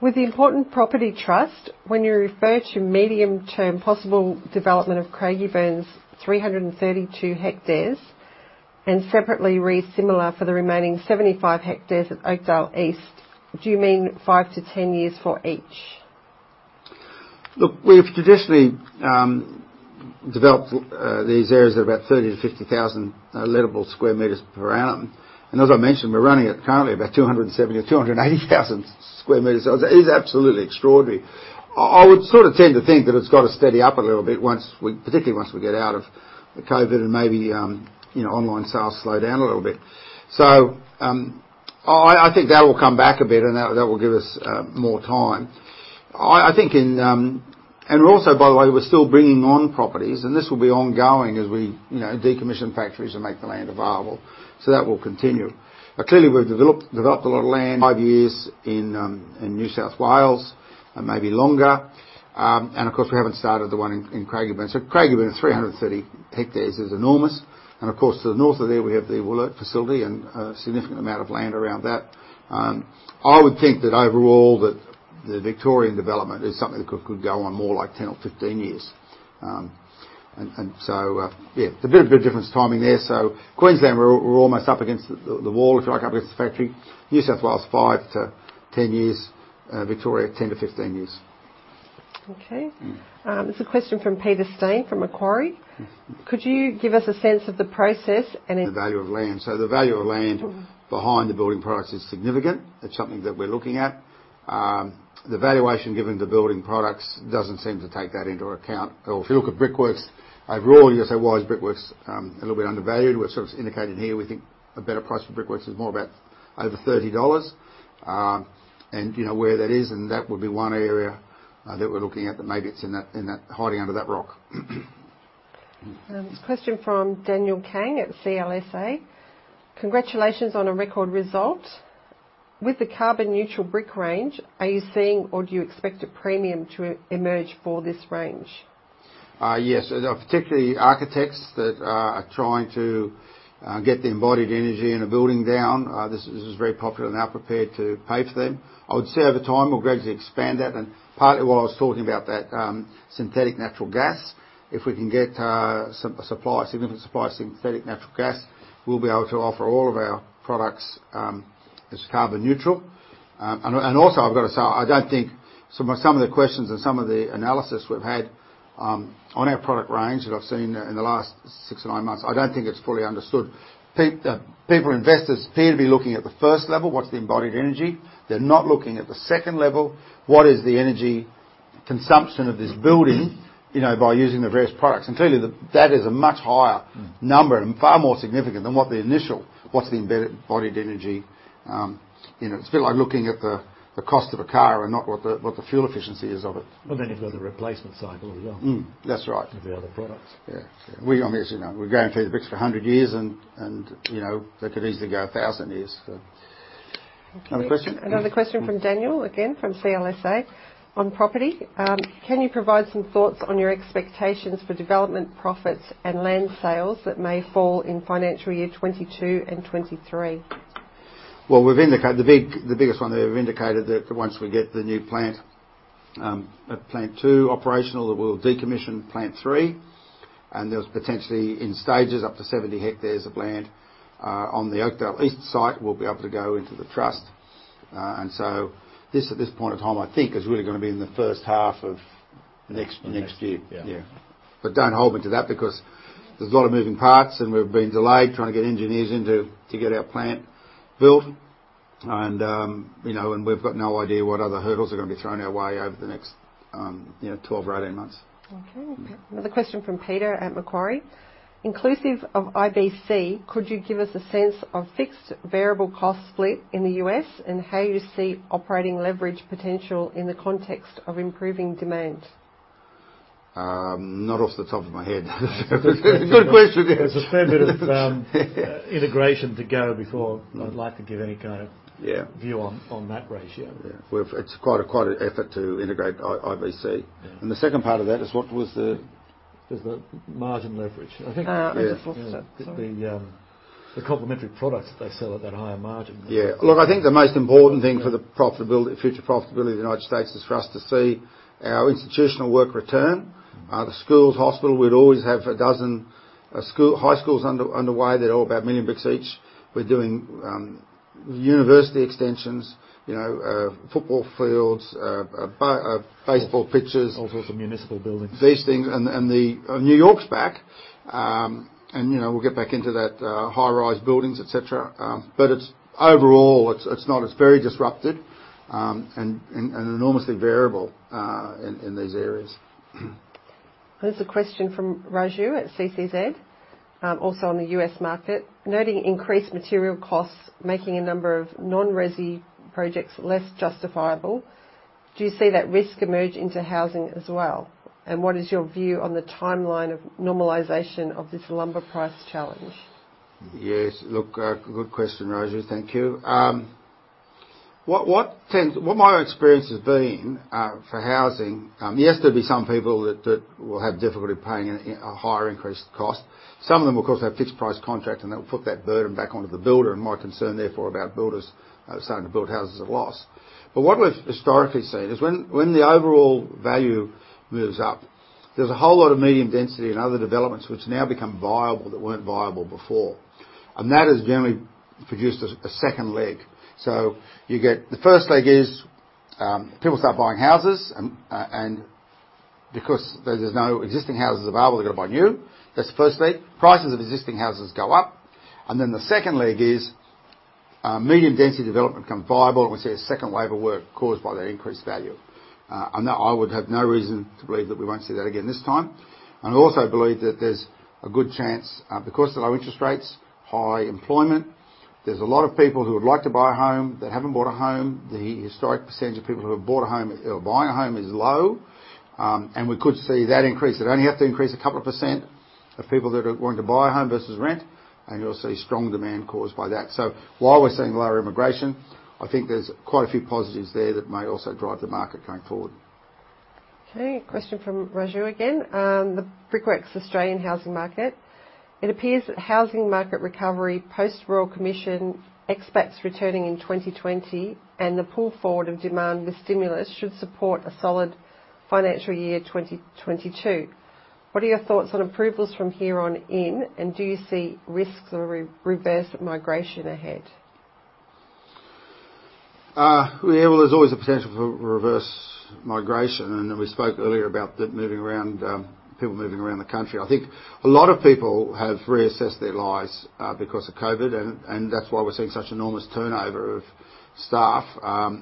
With the important property trust, when you refer to medium-term possible development of Craigieburn's 332 hectares, and separately read similar for the remaining 75 hectares at Oakdale East, do you mean five years to 10 years for each? Look, we've traditionally developed these areas at about 30,000 lettable sq m-50,000 lettable sq m per annum. As I mentioned, we're running at currently about 270,000 sq m or 280,000 sq m. It is absolutely extraordinary. I would sort of tend to think that it's got to steady up a little bit, particularly once we get out of the COVID and maybe online sales slow down a little bit. I think that will come back a bit, and that will give us more time. Also, by the way, we're still bringing on properties, and this will be ongoing as we decommission factories and make the land available. That will continue. Clearly, we've developed a lot of land five years in New South Wales and maybe longer. Of course, we haven't started the one in Craigieburn. Craigieburn at 330 hectares is enormous. Of course, to the north of there, we have the Wollert facility and a significant amount of land around that. I would think that overall that the Victorian development is something that could go on more like 10 years or 15 years. Yeah, there's a bit of a difference timing there. Queensland, we're almost up against the wall, if you like, up against the factory. New South Wales, five to 10 years. Victoria, 10 years-15 years. Okay. This is a question from Peter Steyn from Macquarie. Could you give us a sense of the process? The value of land. The value of land behind the building products is significant. It's something that we're looking at. The valuation given to building products doesn't seem to take that into account. If you look at Brickworks, overall, USA-wise, Brickworks a little bit undervalued. We're sort of indicating here we think a better price for Brickworks is more about over 30 dollars. Where that is, and that would be one area that we're looking at, that maybe it's hiding under that rock. Question from Daniel Kang at CLSA. Congratulations on a record result. With the carbon neutral brick range, are you seeing or do you expect a premium to emerge for this range? Yes. Particularly architects that are trying to get the embodied energy in a building down. This is very popular and they are prepared to pay for them. I would say over time, we'll gradually expand that. Partly why I was talking about that synthetic natural gas. If we can get a significant supply of synthetic natural gas, we'll be able to offer all of our products as carbon neutral. Also, I've got to say, some of the questions and some of the analysis we've had on our product range that I've seen in the last six or nine months, I don't think it's fully understood. People, investors appear to be looking at the first level, what's the embodied energy. They're not looking at the second level, what is the energy consumption of this building by using the various products. Clearly, that is a much higher number and far more significant than what the initial, what's the embodied energy. It's a bit like looking at the cost of a car and not what the fuel efficiency is of it. Well, you've got the replacement cycle as well. That's right. Of the other products. Yeah. We obviously guarantee the bricks for 100 years and they could easily go 1,000 years. Another question? Another question from Daniel, again, from CLSA. On property, can you provide some thoughts on your expectations for development profits and land sales that may fall in financial year 2022 and 2023? Well, the biggest one that we've indicated that once we get the new Plant 2 operational, that we'll decommission Plant 3, and there's potentially in stages up to 70 hectares of land on the Oakdale East site will be able to go into the trust. At this point of time, I think is really going to be in the first half of next year. Next year. Yeah. Don't hold me to that because there's a lot of moving parts and we've been delayed trying to get engineers in to get our plant built. We've got no idea what other hurdles are going to be thrown our way over the next 12 months or 18 months. Okay. Another question from Peter Steyn at Macquarie. Inclusive of IBC, could you give us a sense of fixed variable cost split in the U.S. and how you see operating leverage potential in the context of improving demand? Not off the top of my head. Good question. There's a fair bit of integration to go before I'd like to give any kind. Yeah view on that ratio. Yeah. It's quite an effort to integrate IBC. Yeah. The second part of that is. Is the margin leverage? Yeah. It's the complimentary products that they sell at that higher margin. Yeah. Look, I think the most important thing for the future profitability of the United States is for us to see our institutional work return. The schools, hospital, we'd always have a dozen high schools underway. They're all about a million bricks each. We're doing university extensions, football fields, baseball pitches. All sorts of municipal buildings. These things. N.Y.'s back. We'll get back into that high-rise buildings, et cetera. Overall, it's very disrupted, and enormously variable in these areas. There's a question from Raju at CCZ, also on the U.S. market. Noting increased material costs making a number of non-resi projects less justifiable, do you see that risk emerge into housing as well? What is your view on the timeline of normalization of this lumber price challenge? Yes. Look, good question, Raju. Thank you. What my experience has been, for housing, yes, there'll be some people that will have difficulty paying a higher increased cost. Some of them will, of course, have fixed price contract, and that will put that burden back onto the builder. My concern, therefore, about builders starting to build houses at a loss. What we've historically seen is when the overall value moves up, there's a whole lot of medium density and other developments which now become viable that weren't viable before. That has generally produced a second leg. The first leg is people start buying houses, and because there's no existing houses available, they're going to buy new. That's the first leg. Prices of existing houses go up. The second leg is medium density development become viable, and we see a second wave of work caused by that increased value. I would have no reason to believe that we won't see that again this time. I also believe that there's a good chance, because of the low interest rates, high employment, there's a lot of people who would like to buy a home that haven't bought a home. The historic percentage of people who are buying a home is low. We could see that increase. It'd only have to increase a couple of percent of people that are wanting to buy a home versus rent. You'll see strong demand caused by that. While we're seeing lower immigration, I think there's quite a few positives there that may also drive the market going forward. Okay, a question from Raju again. The Brickworks Australian housing market. It appears that housing market recovery post Royal Commission expats returning in 2020 and the pull forward of demand with stimulus should support a solid financial year 2022. What are your thoughts on approvals from here on in, and do you see risks or reverse migration ahead? Well, there's always a potential for reverse migration, then we spoke earlier about people moving around the country. I think a lot of people have reassessed their lives because of COVID, that's why we're seeing such enormous turnover of staff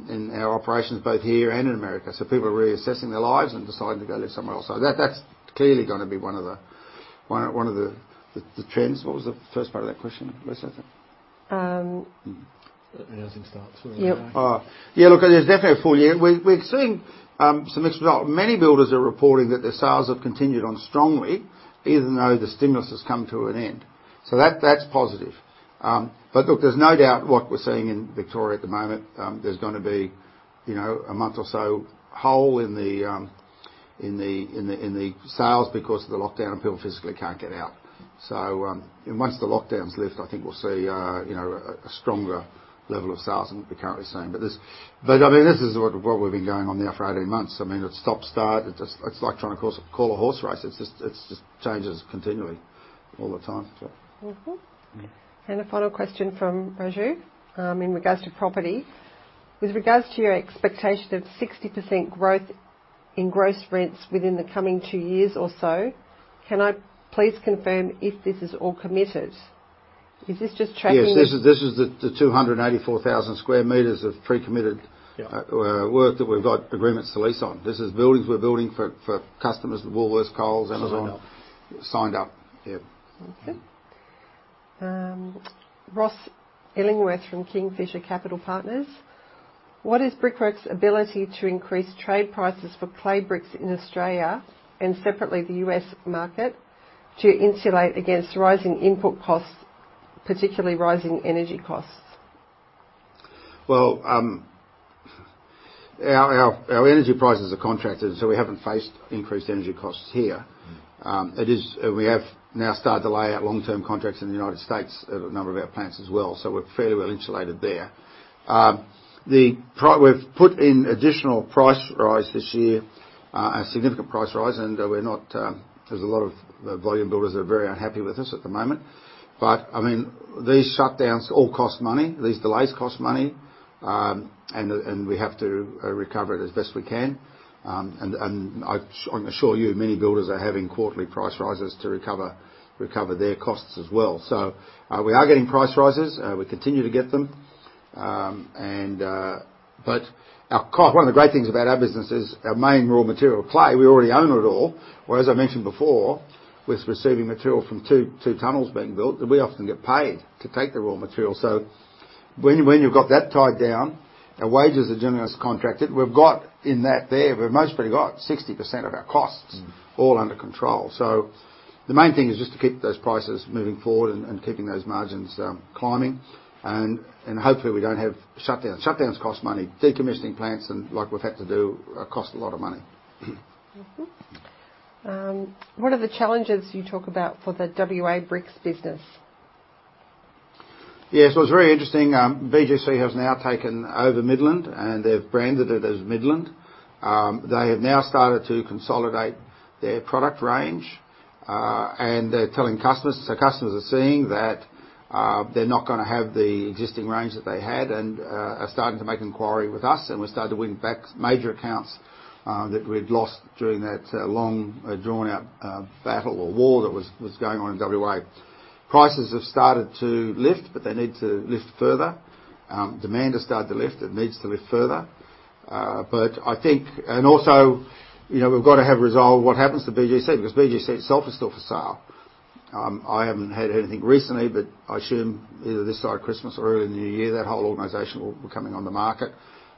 in our operations, both here and in America. People are reassessing their lives and deciding to go live somewhere else. That's clearly going to be one of the trends. What was the first part of that question, Lisa? Um- Housing starts. Yep. Yeah, look, there's definitely a full year. We're seeing some mixed results. Many builders are reporting that their sales have continued on strongly even though the stimulus has come to an end. That's positive. Look, there's no doubt what we're seeing in Victoria at the moment, there's going to be a month or so hole in the sales because of the lockdown and people physically can't get out. Once the lockdown's lift, I think we'll see a stronger level of sales than we're currently seeing. This is what we've been going on now for 18 months. It's stop/start. It's like trying to call a horse race. It changes continually all the time. Yeah. A final question from Raju. In regards to property, with regards to your expectation of 60% growth in gross rents within the coming two years or so, can I please confirm if this is all committed? Is this just tracking? Yes. This is the 284,000 sq m of pre-committed- Yeah work that we've got agreements to lease on. This is buildings we're building for customers at Woolworths, Coles, Amazon. Signed up. Signed up. Yep. Okay. Ross Illingworth from Kingfisher Capital Partners. What is Brickworks' ability to increase trade prices for clay bricks in Australia and separately the U.S. market to insulate against rising input costs, particularly rising energy costs? Well, our energy prices are contracted, so we haven't faced increased energy costs here. We have now started to lay out long-term contracts in the U.S. at a number of our plants as well. We're fairly well insulated there. We've put in additional price rise this year, a significant price rise, and there's a lot of volume builders that are very unhappy with us at the moment. These shutdowns all cost money. These delays cost money. We have to recover it as best we can. I assure you many builders are having quarterly price rises to recover their costs as well. We are getting price rises. We continue to get them. One of the great things about our business is our main raw material, clay, we already own it all. Whereas I mentioned before, with receiving material from two tunnels being built, that we often get paid to take the raw material. When you've got that tied down and wages are generally contracted, we've got in that there, we've most probably got 60% of our costs all under control. The main thing is just to keep those prices moving forward and keeping those margins climbing, and hopefully we don't have shutdowns. Shutdowns cost money. Decommissioning plants, like we've had to do, cost a lot of money. What are the challenges you talk about for the W.A. bricks business? Yeah. It's very interesting. BGC has now taken over Midland, and they've branded it as Midland. They have now started to consolidate their product range, and they're telling customers, so customers are seeing that they're not going to have the existing range that they had and are starting to make inquiry with us, and we're starting to win back major accounts that we'd lost during that long, drawn-out battle or war that was going on in W.A. Prices have started to lift, but they need to lift further. Demand has started to lift. It needs to lift further. We've got to have resolve what happens to BGC because BGC itself is still for sale. I haven't heard anything recently. I assume either this side of Christmas or early in the New Year, that whole organization will be coming on the market.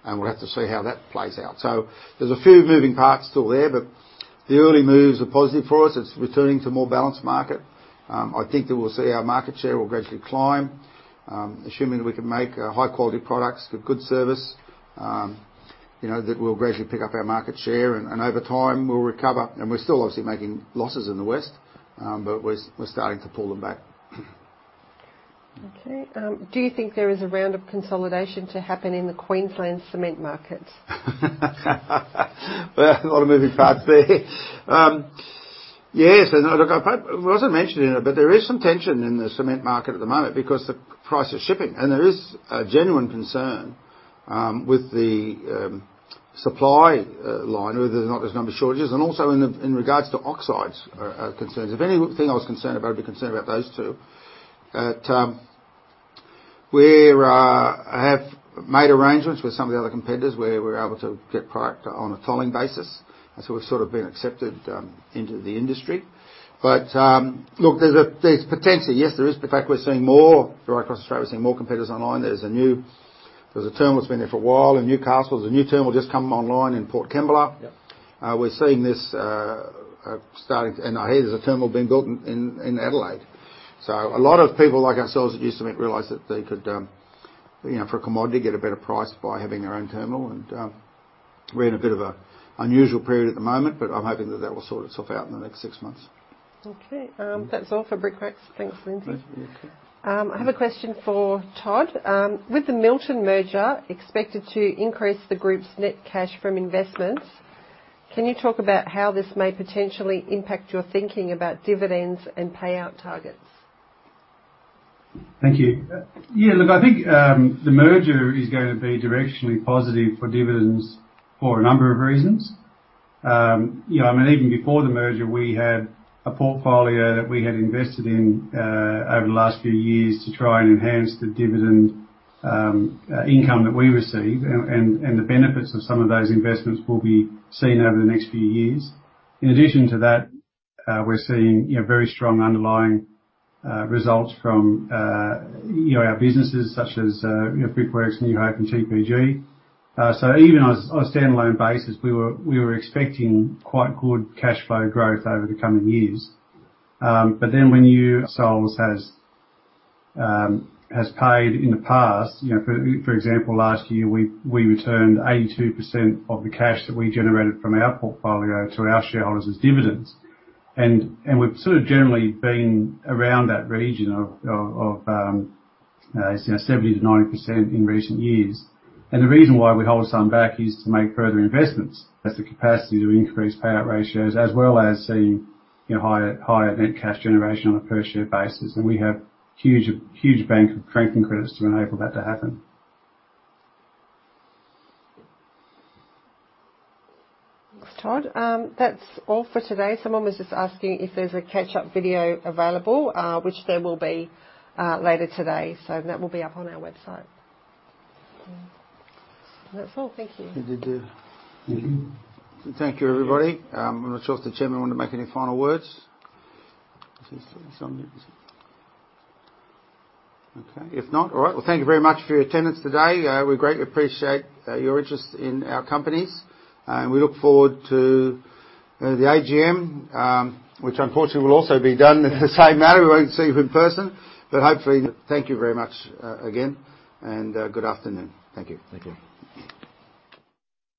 We'll have to see how that plays out. There's a few moving parts still there. The early moves are positive for us. It's returning to a more balanced market. I think that we'll see our market share will gradually climb. Assuming that we can make high-quality products with good service, that we'll gradually pick up our market share. Over time we'll recover. We're still obviously making losses in the West. We're starting to pull them back. Okay. Do you think there is a round of consolidation to happen in the Queensland cement markets? Well, a lot of moving parts there. Yes, and look, it wasn't mentioned, but there is some tension in the cement market at the moment because the price of shipping, and there is a genuine concern with the supply line, whether or not there's going to be shortages, and also in regards to oxides are concerns. If anything I was concerned about, I'd be concerned about those two. We have made arrangements with some of the other competitors where we're able to get product on a tolling basis, and so we've sort of been accepted into the industry. Look, there's potential. Yes, there is. In fact, we're seeing more, right across Australia, we're seeing more competitors online. There's a terminal that's been there for a while in Newcastle. There's a new terminal just come online in Port Kembla. Yep. We're seeing this starting, and I hear there's a terminal being built in Adelaide. A lot of people like ourselves that use cement realize that they could, for a commodity, get a better price by having their own terminal. We're in a bit of an unusual period at the moment, but I'm hoping that that will sort itself out in the next six months. Okay. That's all for Brickworks. Thanks, Lindsay. Thank you. I have a question for Todd. With the Milton merger expected to increase the group's net cash from investments, can you talk about how this may potentially impact your thinking about dividends and payout targets? Thank you. Look, I think the merger is going to be directionally positive for dividends for a number of reasons. Even before the merger, we had a portfolio that we had invested in over the last few years to try and enhance the dividend income that we receive, and the benefits of some of those investments will be seen over the next few years. In addition to that, we're seeing very strong underlying results from our businesses such as Brickworks, New Hope, and TPG. Even on a standalone basis, we were expecting quite good cash flow growth over the coming years. For example, last year, we returned 82% of the cash that we generated from our portfolio to our shareholders as dividends. We've sort of generally been around that region of 70%-90% in recent years. The reason why we hold some back is to make further investments as the capacity to increase payout ratios, as well as seeing higher net cash generation on a per share basis. We have a huge bank of franking credits to enable that to happen. Thanks, Todd. That's all for today. Someone was just asking if there's a catch-up video available, which there will be later today. That will be up on our website. That's all. Thank you. Thank you. Thank you. Thank you, everybody. I am not sure if the chairman wanted to make any final words. Okay. If not, all right. Well, thank you very much for your attendance today. We greatly appreciate your interest in our companies, and we look forward to the AGM, which unfortunately will also be done in the same manner. We will not see you in person. Thank you very much again, and good afternoon. Thank you. Thank you.